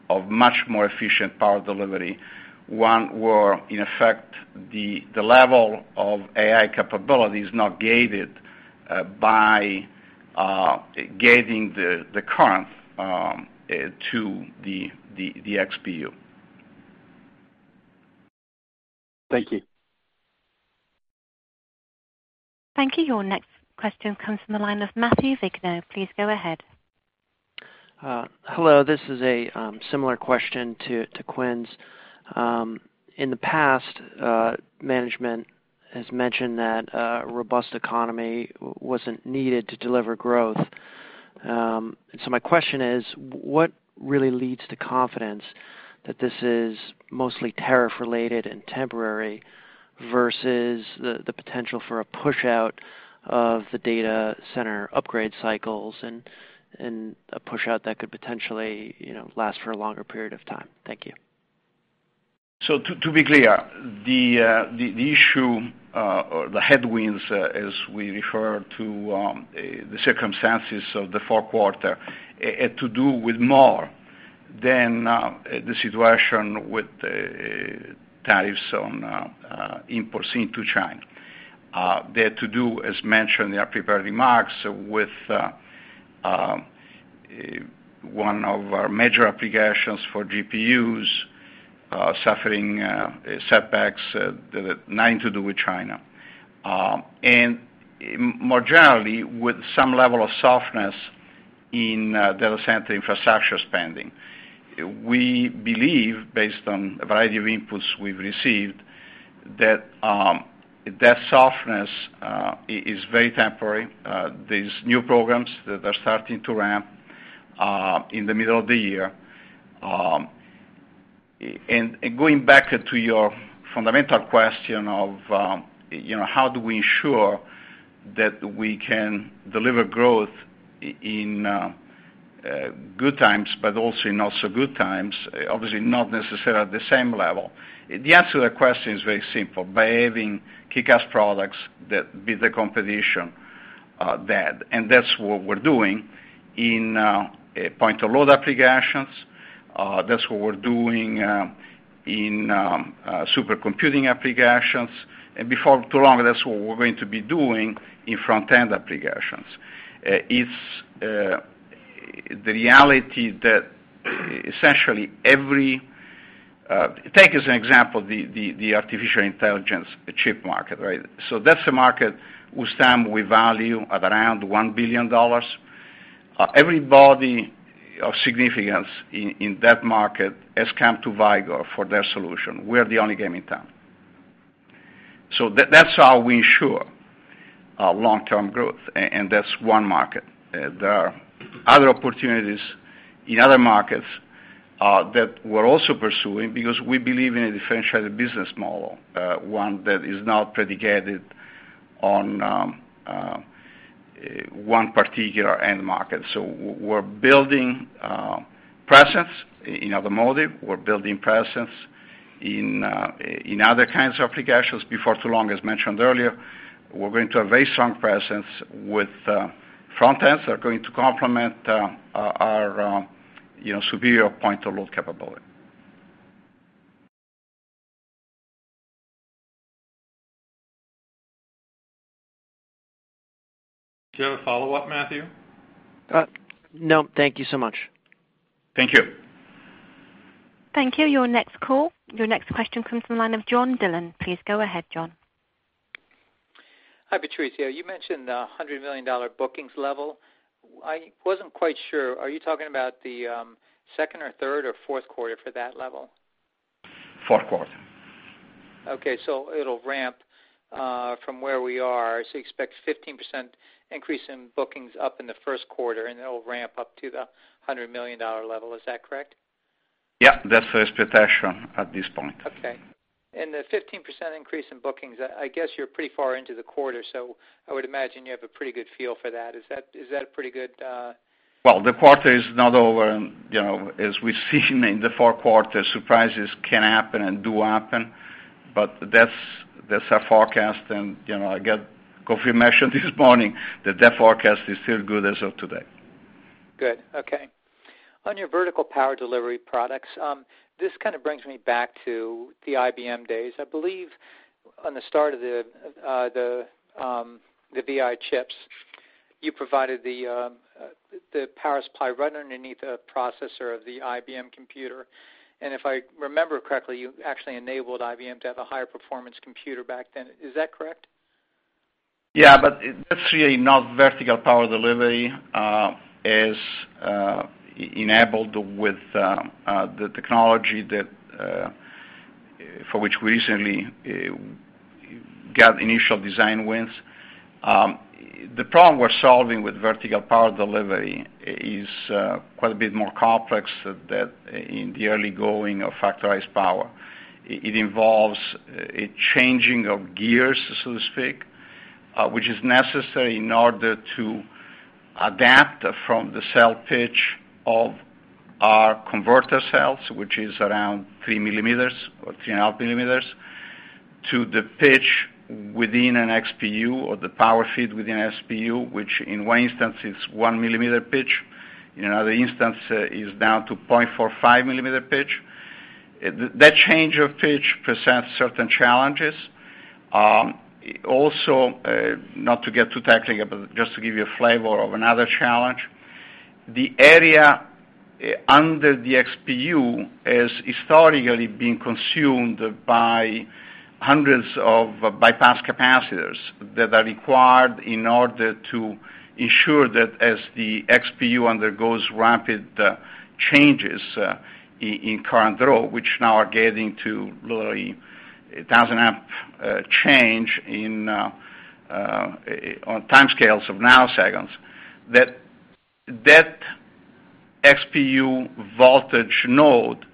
of much more efficient power delivery. One where, in effect, the level of AI capability is not gated by gating the current to the XPU. Thank you. Thank you. Your next question comes from the line of Matthew Vigneau. Please go ahead. Hello. This is a similar question to Quinn's. In the past, management has mentioned that a robust economy wasn't needed to deliver growth. My question is, what really leads to confidence that this is mostly tariff-related and temporary versus the potential for a push-out of the data center upgrade cycles, and a push-out that could potentially last for a longer period of time? Thank you. To be clear, the issue, or the headwinds as we refer to the circumstances of the fourth quarter, had to do with more than the situation with the tariffs on imports into China. They had to do, as mentioned in our prepared remarks, with one of our major applications for GPUs suffering setbacks that had nothing to do with China. More generally, with some level of softness in data center infrastructure spending. We believe, based on a variety of inputs we've received, that that softness is very temporary. These new programs that are starting to ramp in the middle of the year. Going back to your fundamental question of how do we ensure that we can deliver growth in good times, but also in not so good times, obviously not necessarily at the same level. The answer to that question is very simple. By having kickass products that beat the competition dead, that's what we're doing in point-of-load applications. That's what we're doing in supercomputing applications. Before too long, that's what we're going to be doing in front-end applications. It's the reality that essentially, take as an example, the artificial intelligence chip market. That's a market, we sum, we value at around $1 billion. Everybody of significance in that market has come to Vicor for their solution. We're the only game in town. That's how we ensure long-term growth, and that's one market. There are other opportunities in other markets that we're also pursuing because we believe in a differentiated business model, one that is not predicated on one particular end market. We're building presence in automotive, we're building presence in other kinds of applications. Before too long, as mentioned earlier, we're going to have very strong presence with front ends that are going to complement our superior point-of-load capability. Do you have a follow-up, Matthew? No, thank you so much. Thank you. Thank you. Your next question comes from the line of John Dillon. Please go ahead, John. Hi, Patrizio. You mentioned the $100 million bookings level. I wasn't quite sure, are you talking about the second or third or fourth quarter for that level? Fourth quarter. Okay. It'll ramp from where we are. You expect 15% increase in bookings up in the first quarter, and it'll ramp up to the $100 million level, is that correct? Yeah, that's the expectation at this point. Okay. The 15% increase in bookings, I guess you're pretty far into the quarter, so I would imagine you have a pretty good feel for that. Is that pretty good? Well, the quarter is not over and, as we've seen in the fourth quarter, surprises can happen and do happen. That's our forecast. I got confirmation this morning that that forecast is still good as of today. Good. Okay. On your vertical power delivery products, this kind of brings me back to the IBM days. I believe on the start of the VI Chip, you provided the power supply right underneath the processor of the IBM computer. If I remember correctly, you actually enabled IBM to have a higher performance computer back then. Is that correct? Yeah, that's really not vertical power delivery as enabled with the technology for which we recently got initial design wins. The problem we're solving with vertical power delivery is quite a bit more complex than in the early going of Factorized Power. It involves a changing of gears, so to speak, which is necessary in order to adapt from the cell pitch of our converter cells, which is around three millimeters or three and a half millimeters, to the pitch within an XPU or the power feed within an XPU, which in one instance is one millimeter pitch. In another instance, is down to 0.45 millimeter pitch. That change of pitch presents certain challenges. Also, not to get too technical, just to give you a flavor of another challenge. The area under the XPU has historically been consumed by hundreds of bypass capacitors that are required in order to ensure that as the XPU undergoes rapid changes in current draw, which now are getting to literally 1,000 amp change on timescales of nanoseconds, that XPU voltage node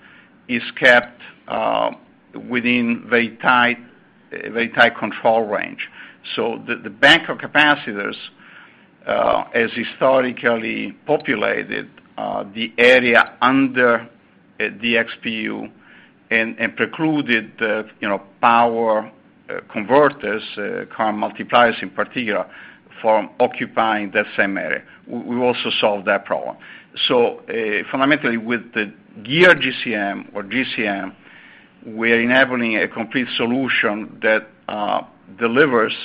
is kept within very tight control range. The bank of capacitors has historically populated the area under the XPU and precluded power converters, Current Multipliers in particular, from occupying that same area. We also solved that problem. Fundamentally with the GCM, we're enabling a complete solution that delivers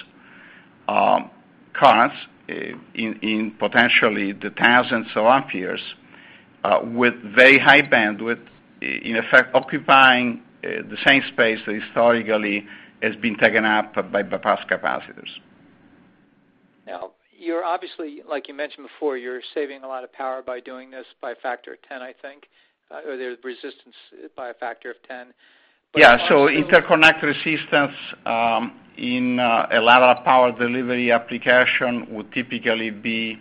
currents in potentially the thousands of amperes with very high bandwidth, in effect, occupying the same space that historically has been taken up by bypass capacitors. You're obviously, like you mentioned before, you're saving a lot of power by doing this by a factor of 10, I think. There's resistance by a factor of 10. Yeah. Interconnect resistance in a lot of power delivery application would typically be,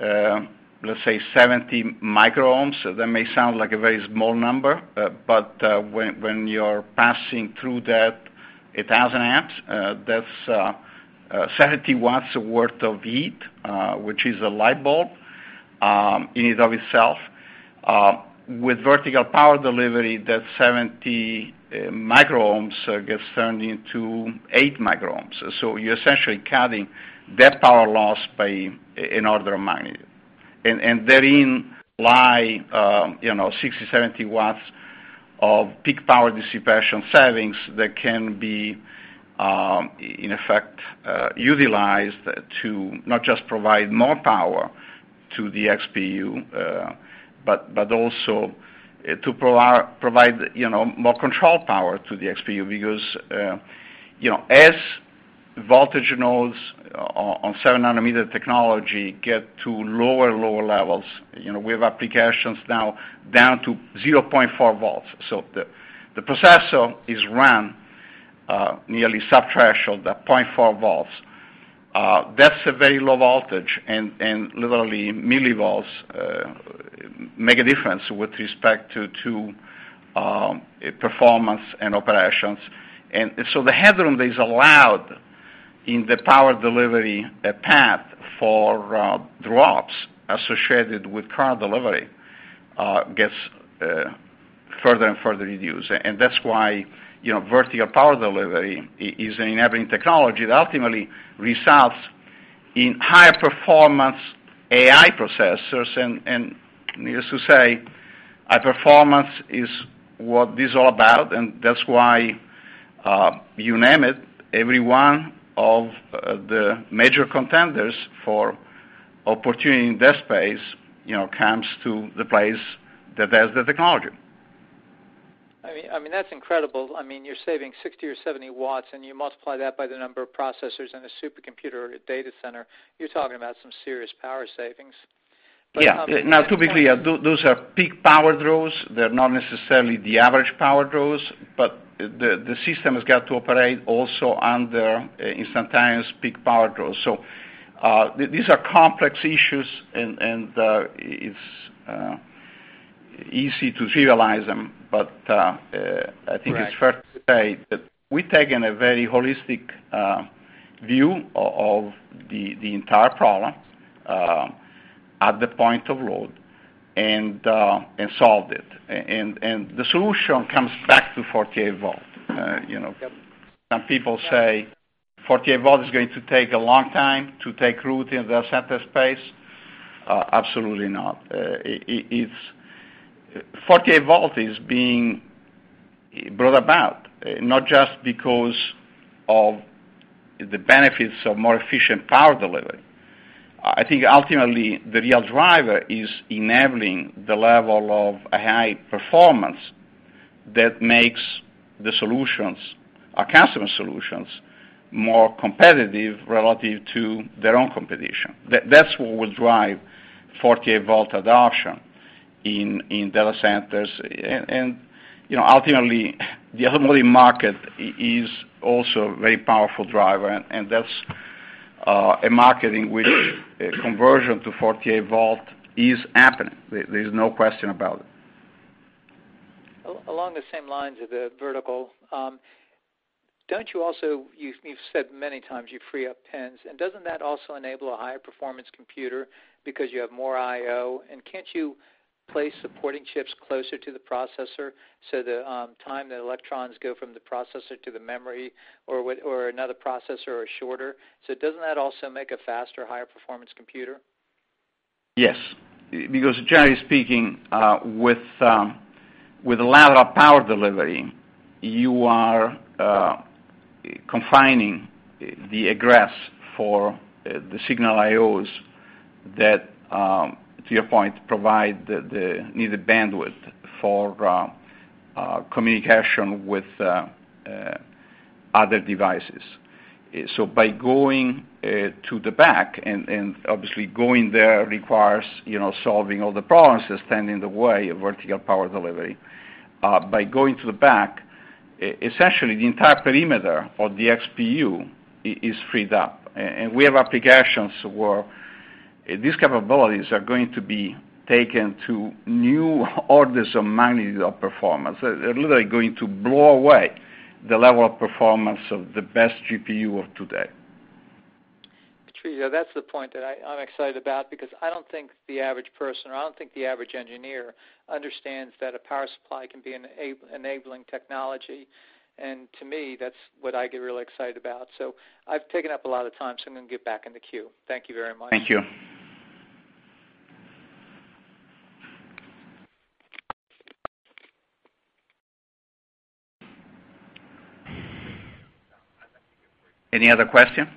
let's say, 70 microohms. That may sound like a very small number, but when you're passing through that 1,000 amps, that's 70 watts worth of heat, which is a light bulb in and of itself. With vertical power delivery, that 70 microohms gets turned into eight microohms. You're essentially cutting that power loss by an order of magnitude. Therein lie 60, 70 watts of peak power dissipation savings that can be, in effect, utilized to not just provide more power to the XPU, but also to provide more control power to the XPU. Because as voltage nodes on 7 nanometer technology get to lower levels, we have applications now down to 0.4 volts. The processor is run nearly sub-threshold at 0.4 volts. That's a very low voltage. Literally millivolts make a difference with respect to performance and operations. The headroom that is allowed in the power delivery path for drops associated with current delivery gets further and further reduced. That's why vertical power delivery is an enabling technology that ultimately results in higher performance AI processors. Needless to say, high performance is what this is all about, and that's why, you name it, every one of the major contenders for opportunity in that space comes to the place that has the technology. That's incredible. You're saving 60 or 70 watts, you multiply that by the number of processors in a supercomputer or a data center, you're talking about some serious power savings. Yeah. Now, to be clear, those are peak power draws. They're not necessarily the average power draws, the system has got to operate also under instantaneous peak power draws. These are complex issues, it's easy to trivialize them. I think it's fair to say that we've taken a very holistic view of the entire problem at the point-of-load and solved it. The solution comes back to 48 volt. Some people say 48 volt is going to take a long time to take root in the data center space. Absolutely not. 48 volt is being brought about not just because of the benefits of more efficient power delivery. I think ultimately the real driver is enabling the level of high performance that makes our customer solutions more competitive relative to their own competition. That's what will drive 48 volt adoption in data centers. Ultimately, the whole market is also a very powerful driver, and that's a market with conversion to 48V is happening. There's no question about it. Along the same lines of the vertical, you've said many times you free up pins, doesn't that also enable a higher performance computer because you have more I/O? Can't you place supporting chips closer to the processor so the time that electrons go from the processor to the memory or another processor are shorter? Doesn't that also make a faster, higher performance computer? Yes, because generally speaking With lateral power delivery, you are confining the egress for the signal I/Os that, to your point, provide the needed bandwidth for communication with other devices. By going to the back, and obviously going there requires solving all the problems that stand in the way of vertical power delivery. By going to the back, essentially, the entire perimeter of the XPU is freed up. We have applications where these capabilities are going to be taken to new orders of magnitude of performance. They're literally going to blow away the level of performance of the best GPU of today. Patrizio, that's the point that I'm excited about, because I don't think the average person, or I don't think the average engineer understands that a power supply can be an enabling technology. To me, that's what I get really excited about. I've taken up a lot of time, so I'm going to get back in the queue. Thank you very much. Thank you. Any other question?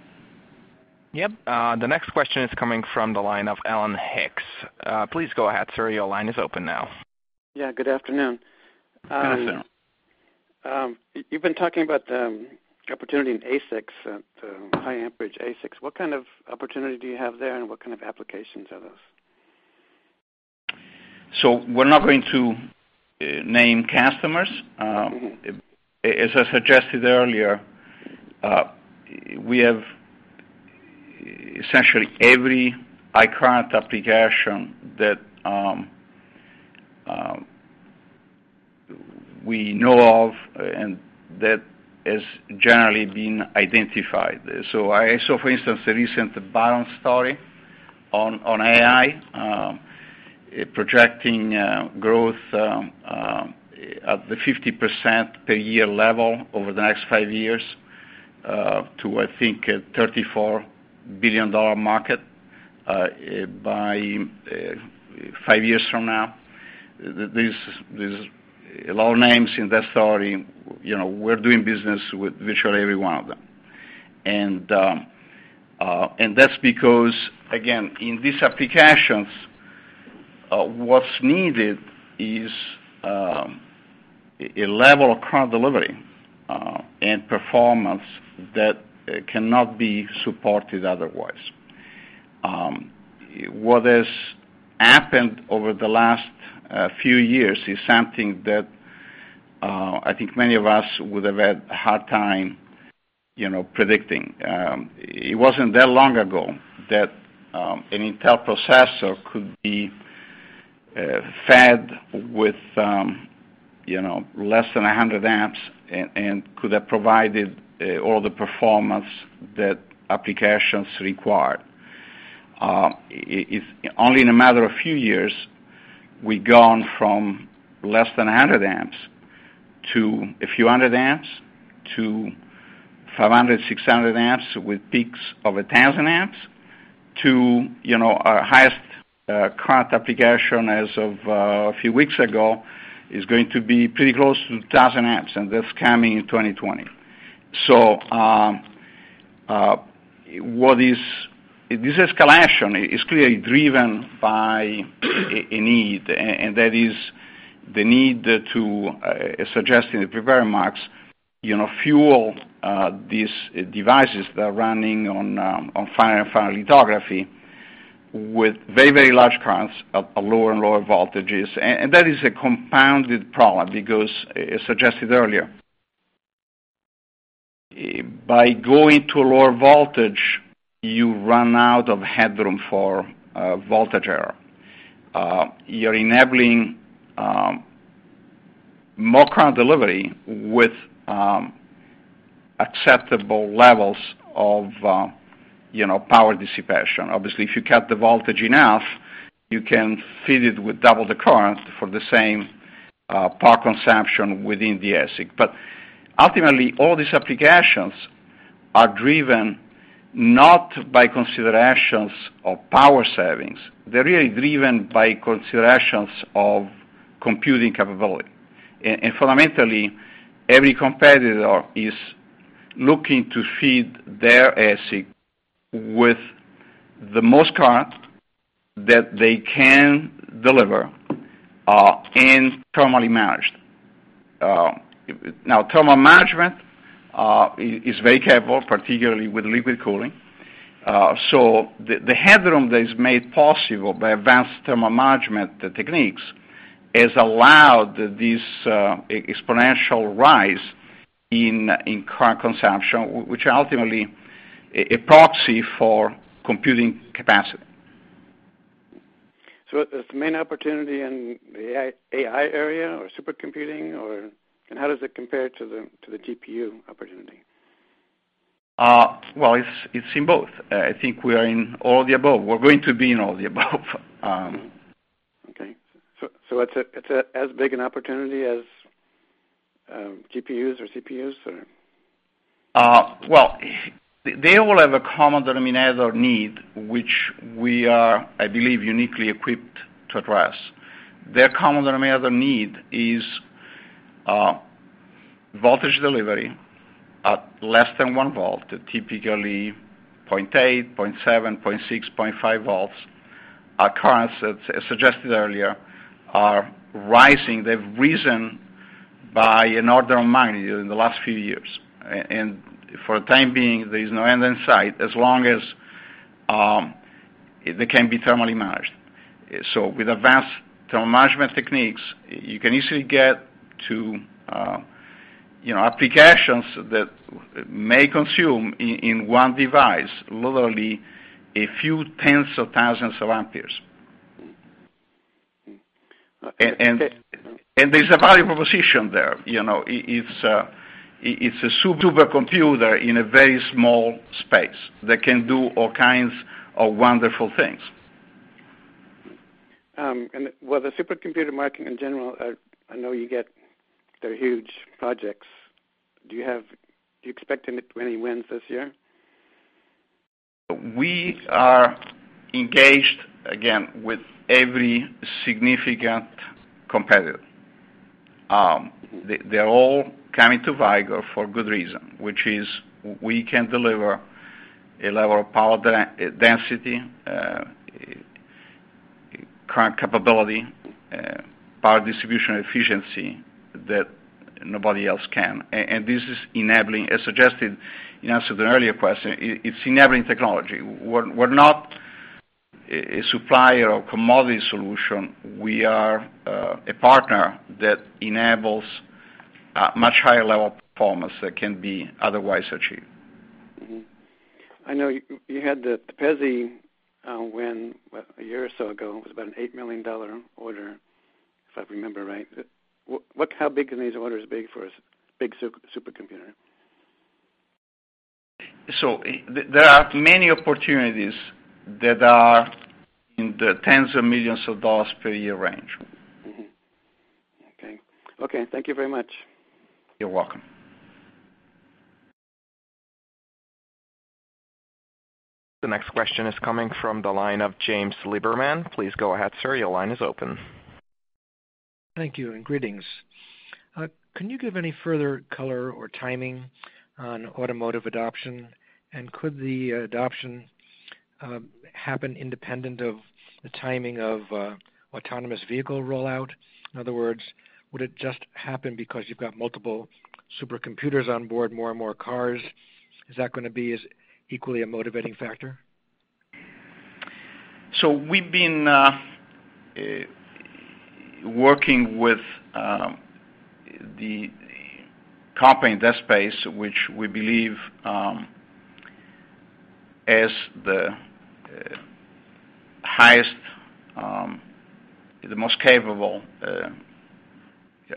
Yep. The next question is coming from the line of Alan Hicks. Please go ahead, sir. Your line is open now. Yeah, good afternoon. Good afternoon. You've been talking about the opportunity in ASICs, the high amperage ASICs. What kind of opportunity do you have there, and what kind of applications are those? We're not going to name customers. As I suggested earlier, we have essentially every high current application that we know of, and that has generally been identified. I saw, for instance, the recent Barron's story on AI, projecting growth at the 50% per year level over the next 5 years, to, I think, a $34 billion market by 5 years from now. There's a lot of names in that story. We're doing business with virtually every one of them. That's because, again, in these applications, what's needed is a level of current delivery and performance that cannot be supported otherwise. What has happened over the last few years is something that I think many of us would have had a hard time predicting. It wasn't that long ago that an Intel processor could be fed with less than 100 amps, and could have provided all the performance that applications required. Only in a matter of few years, we've gone from less than 100 amps to a few hundred amps, to 500, 600 amps, with peaks of 1,000 amps, to our highest current application as of a few weeks ago is going to be pretty close to 1,000 amps, and that's coming in 2020. This escalation is clearly driven by a need, and that is the need to, as suggested in the prepared remarks, fuel these devices that are running on finer and finer lithography with very, very large currents at lower and lower voltages. That is a compounded problem because, as suggested earlier, by going to a lower voltage, you run out of headroom for voltage error. You're enabling more current delivery with acceptable levels of power dissipation. Obviously, if you cut the voltage enough, you can feed it with double the current for the same power consumption within the ASIC. Ultimately, all these applications are driven not by considerations of power savings. They're really driven by considerations of computing capability. Fundamentally, every competitor is looking to feed their ASIC with the most current that they can deliver and thermally managed. Thermal management is very capable, particularly with liquid cooling. The headroom that is made possible by advanced thermal management techniques has allowed this exponential rise in current consumption, which are ultimately a proxy for computing capacity. Is the main opportunity in the AI area or supercomputing, or how does it compare to the GPU opportunity? Well, it's in both. I think we are in all of the above. We're going to be in all of the above. Okay. It's as big an opportunity as GPUs or CPUs? Well, they all have a common denominator need, which we are, I believe, uniquely equipped to address. Their common denominator need is voltage delivery at less than one volt, typically 0.8, 0.7, 0.6, 0.5 volts. Our currents, as suggested earlier, are rising. They've risen by an order of magnitude in the last few years. For the time being, there's no end in sight as long as they can be thermally managed. With advanced thermal management techniques, you can easily get to applications that may consume, in one device, literally a few tens of thousands of amperes. Okay. There's a value proposition there. It's a supercomputer in a very small space that can do all kinds of wonderful things. With the supercomputer market, in general, I know you get they're huge projects. Do you expect any wins this year? We are engaged, again, with every significant competitor. They're all coming to Vicor for good reason, which is we can deliver a level of power density, current capability, power distribution efficiency, that nobody else can. This is enabling, as suggested in answer to an earlier question, it's enabling technology. We're not a supplier of commodity solution. We are a partner that enables a much higher level of performance that can be otherwise achieved. Mm-hmm. I know you had the PEZY win a year or so ago. It was about an $8 million order, if I remember right. How big are these orders big for a big supercomputer? There are many opportunities that are in the tens of millions of dollars per year range. Mm-hmm. Okay. Thank you very much. You're welcome. The next question is coming from the line of James Liberman. Please go ahead, sir. Your line is open. Thank you, and greetings. Could the adoption happen independent of the timing of autonomous vehicle rollout? In other words, would it just happen because you've got multiple supercomputers on board more and more cars? Is that going to be as equally a motivating factor? We've been working with the company in that space, which we believe is the highest, the most capable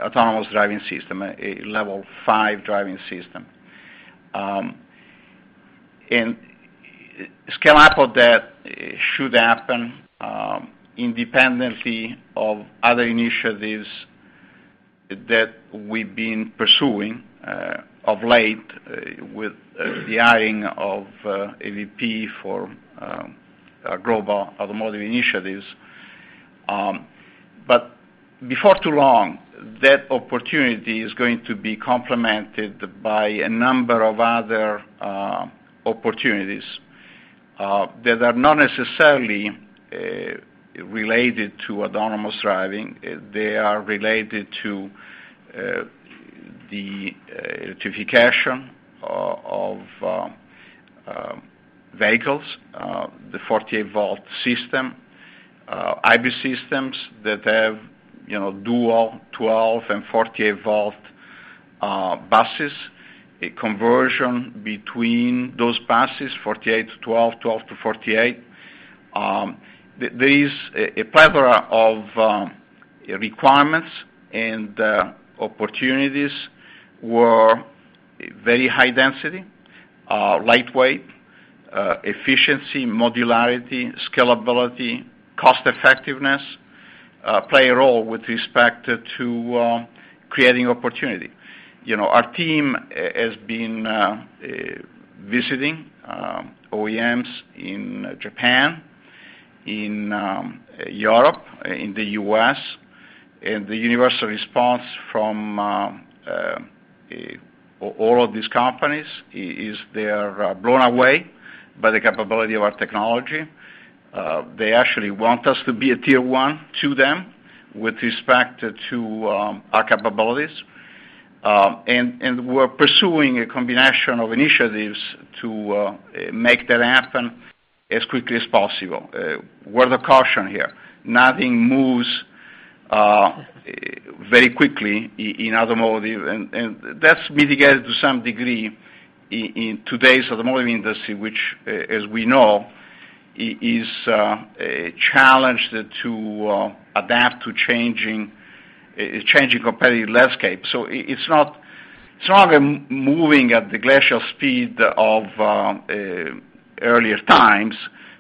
autonomous driving system, a level 5 driving system. And scale output that should happen independently of other initiatives that we've been pursuing of late with the hiring of a VP for global automotive initiatives. But before too long, that opportunity is going to be complemented by a number of other opportunities that are not necessarily related to autonomous driving. They are related to the electrification of vehicles, the 48-volt system, IB systems that have dual 12 and 48-volt buses, a conversion between those buses, 48 to 12 to 48. There is a plethora of requirements and opportunities where very high density, lightweight, efficiency, modularity, scalability, cost-effectiveness, play a role with respect to creating opportunity. Our team has been visiting OEMs in Japan, in Europe, in the U.S., and the universal response from all of these companies is they are blown away by the capability of our technology. They actually want us to be a tier 1 to them with respect to our capabilities. And we're pursuing a combination of initiatives to make that happen as quickly as possible. Word of caution here, nothing moves very quickly in automotive, and that's mitigated to some degree in today's automotive industry, which, as we know, is challenged to adapt to changing competitive landscape. It's not stronger moving at the glacial speed of earlier times,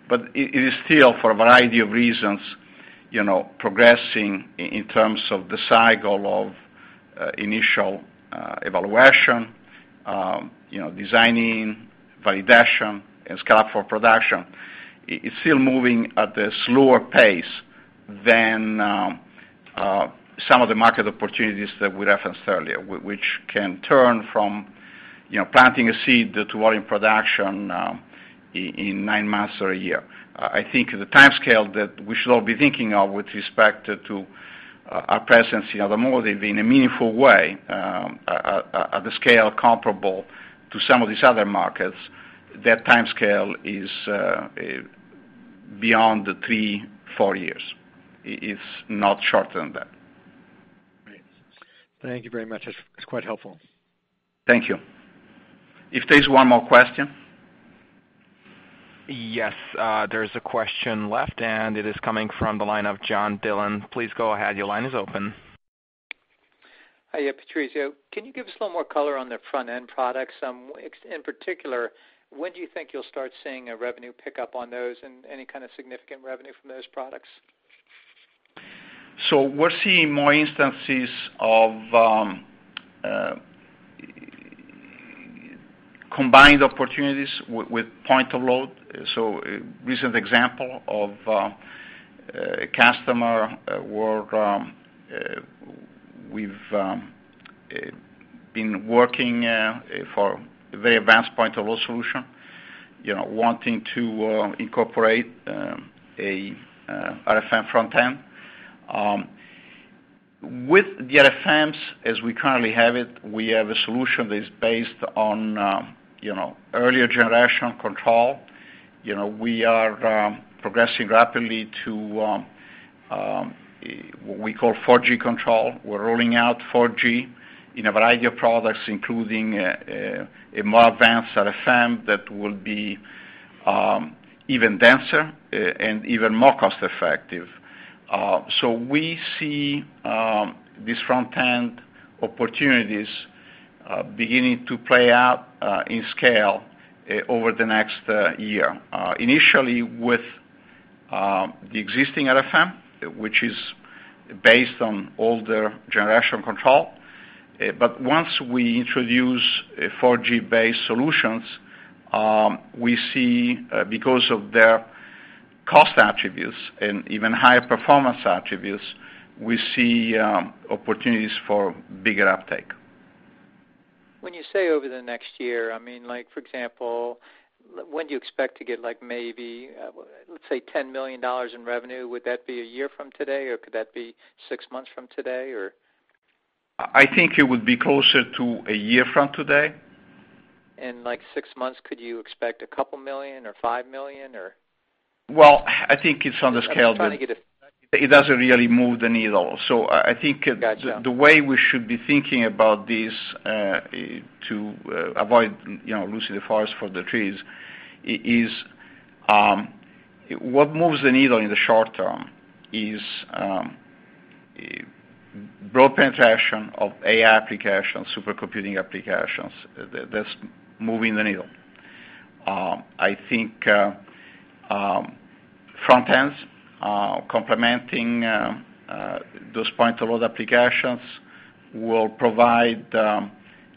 but it is still, for a variety of reasons, progressing in terms of the cycle of initial evaluation, designing, validation, and scale-up for production. It's still moving at a slower pace than some of the market opportunities that we referenced earlier, which can turn from planting a seed to volume production in nine months or a year. I think the timescale that we should all be thinking of with respect to our presence in the automotive in a meaningful way, at the scale comparable to some of these other markets, that timescale is beyond the three, four years. It's not shorter than that. Great. Thank you very much. That's quite helpful. Thank you. If there's one more question? Yes, there's a question left, and it is coming from the line of John Dillon. Please go ahead. Your line is open. Hi, Patrizio. Can you give us a little more color on the front-end products? In particular, when do you think you'll start seeing a revenue pickup on those, and any kind of significant revenue from those products? We're seeing more instances of combined opportunities with point-of-load. A recent example of a customer where we've been working for a very advanced point-of-load solution, wanting to incorporate an RFM front end. With the RFMs, as we currently have it, we have a solution that is based on earlier generation control. We are progressing rapidly to what we call 4G control. We're rolling out 4G in a variety of products, including a more advanced RFM that will be even denser and even more cost-effective. We see these front-end opportunities beginning to play out in scale over the next year. Initially with the existing RFM, which is based on older generation control. Once we introduce 4G-based solutions, we see, because of their cost attributes and even higher performance attributes, we see opportunities for bigger uptake. When you say over the next year, for example, when do you expect to get maybe, let's say, $10 million in revenue? Would that be a year from today, or could that be six months from today, or? I think it would be closer to a year from today. In like six months, could you expect a couple million or $5 million, or? Well, I think it's on the scale. I'm just trying to get a. It doesn't really move the needle. I think. Gotcha the way we should be thinking about this to avoid losing the forest for the trees, is what moves the needle in the short term is broad penetration of AI applications, supercomputing applications. That's moving the needle. I think front ends complementing those point-of-load applications will provide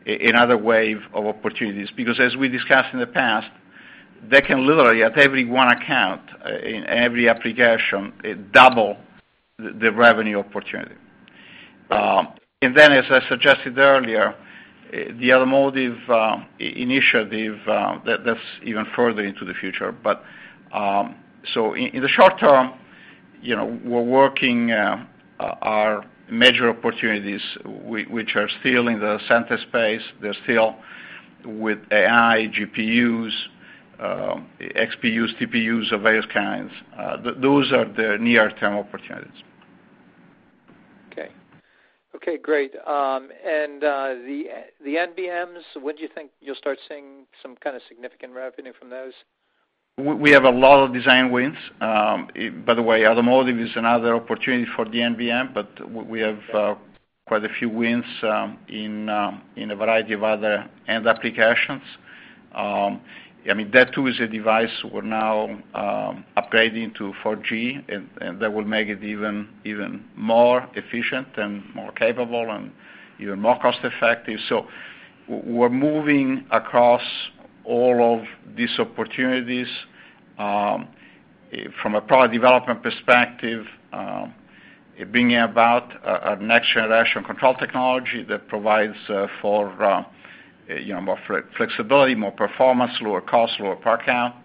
another wave of opportunities. As we discussed in the past, they can literally, at every one account, in every application, double the revenue opportunity. As I suggested earlier, the automotive initiative, that's even further into the future. In the short term, we're working our major opportunities, which are still in the center space. They're still with AI, GPUs, XPUs, TPUs of various kinds. Those are the near-term opportunities. Okay. Okay, great. The NBMs, when do you think you'll start seeing some kind of significant revenue from those? We have a lot of design wins. By the way, automotive is another opportunity for the NBM, but we have quite a few wins in a variety of other end applications. That too is a device we're now upgrading to 4G, and that will make it even more efficient and more capable and even more cost-effective. We're moving across all of these opportunities, from a product development perspective bringing about a next generation control technology that provides for more flexibility, more performance, lower cost, lower part count.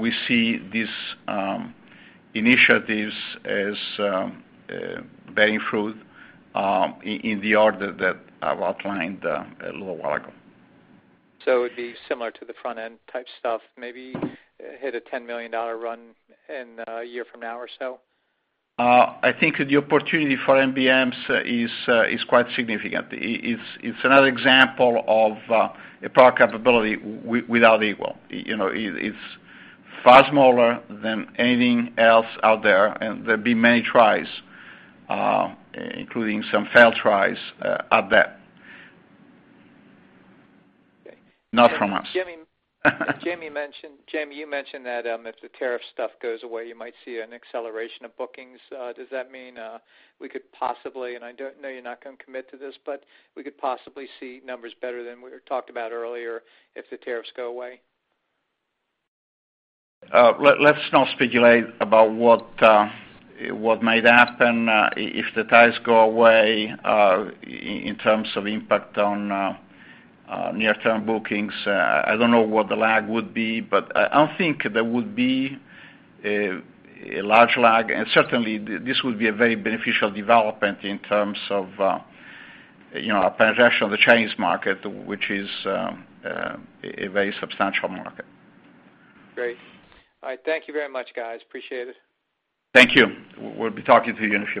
We see these initiatives as bearing fruit in the order that I've outlined a little while ago. It'd be similar to the front-end type stuff, maybe hit a $10 million run in a year from now or so? I think the opportunity for NBMs is quite significant. It's another example of a product capability without equal. It's far smaller than anything else out there'll be many tries, including some failed tries at that. Okay. Not from us. Jamie, you mentioned that if the tariff stuff goes away, you might see an acceleration of bookings. Does that mean we could possibly, and I know you're not going to commit to this, but we could possibly see numbers better than we talked about earlier if the tariffs go away? Let's not speculate about what might happen if the tariffs go away in terms of impact on near-term bookings. I don't know what the lag would be, but I don't think there would be a large lag, and certainly this would be a very beneficial development in terms of our penetration of the Chinese market, which is a very substantial market. Great. All right. Thank you very much, guys. Appreciate it. Thank you. We'll be talking to you in a few months.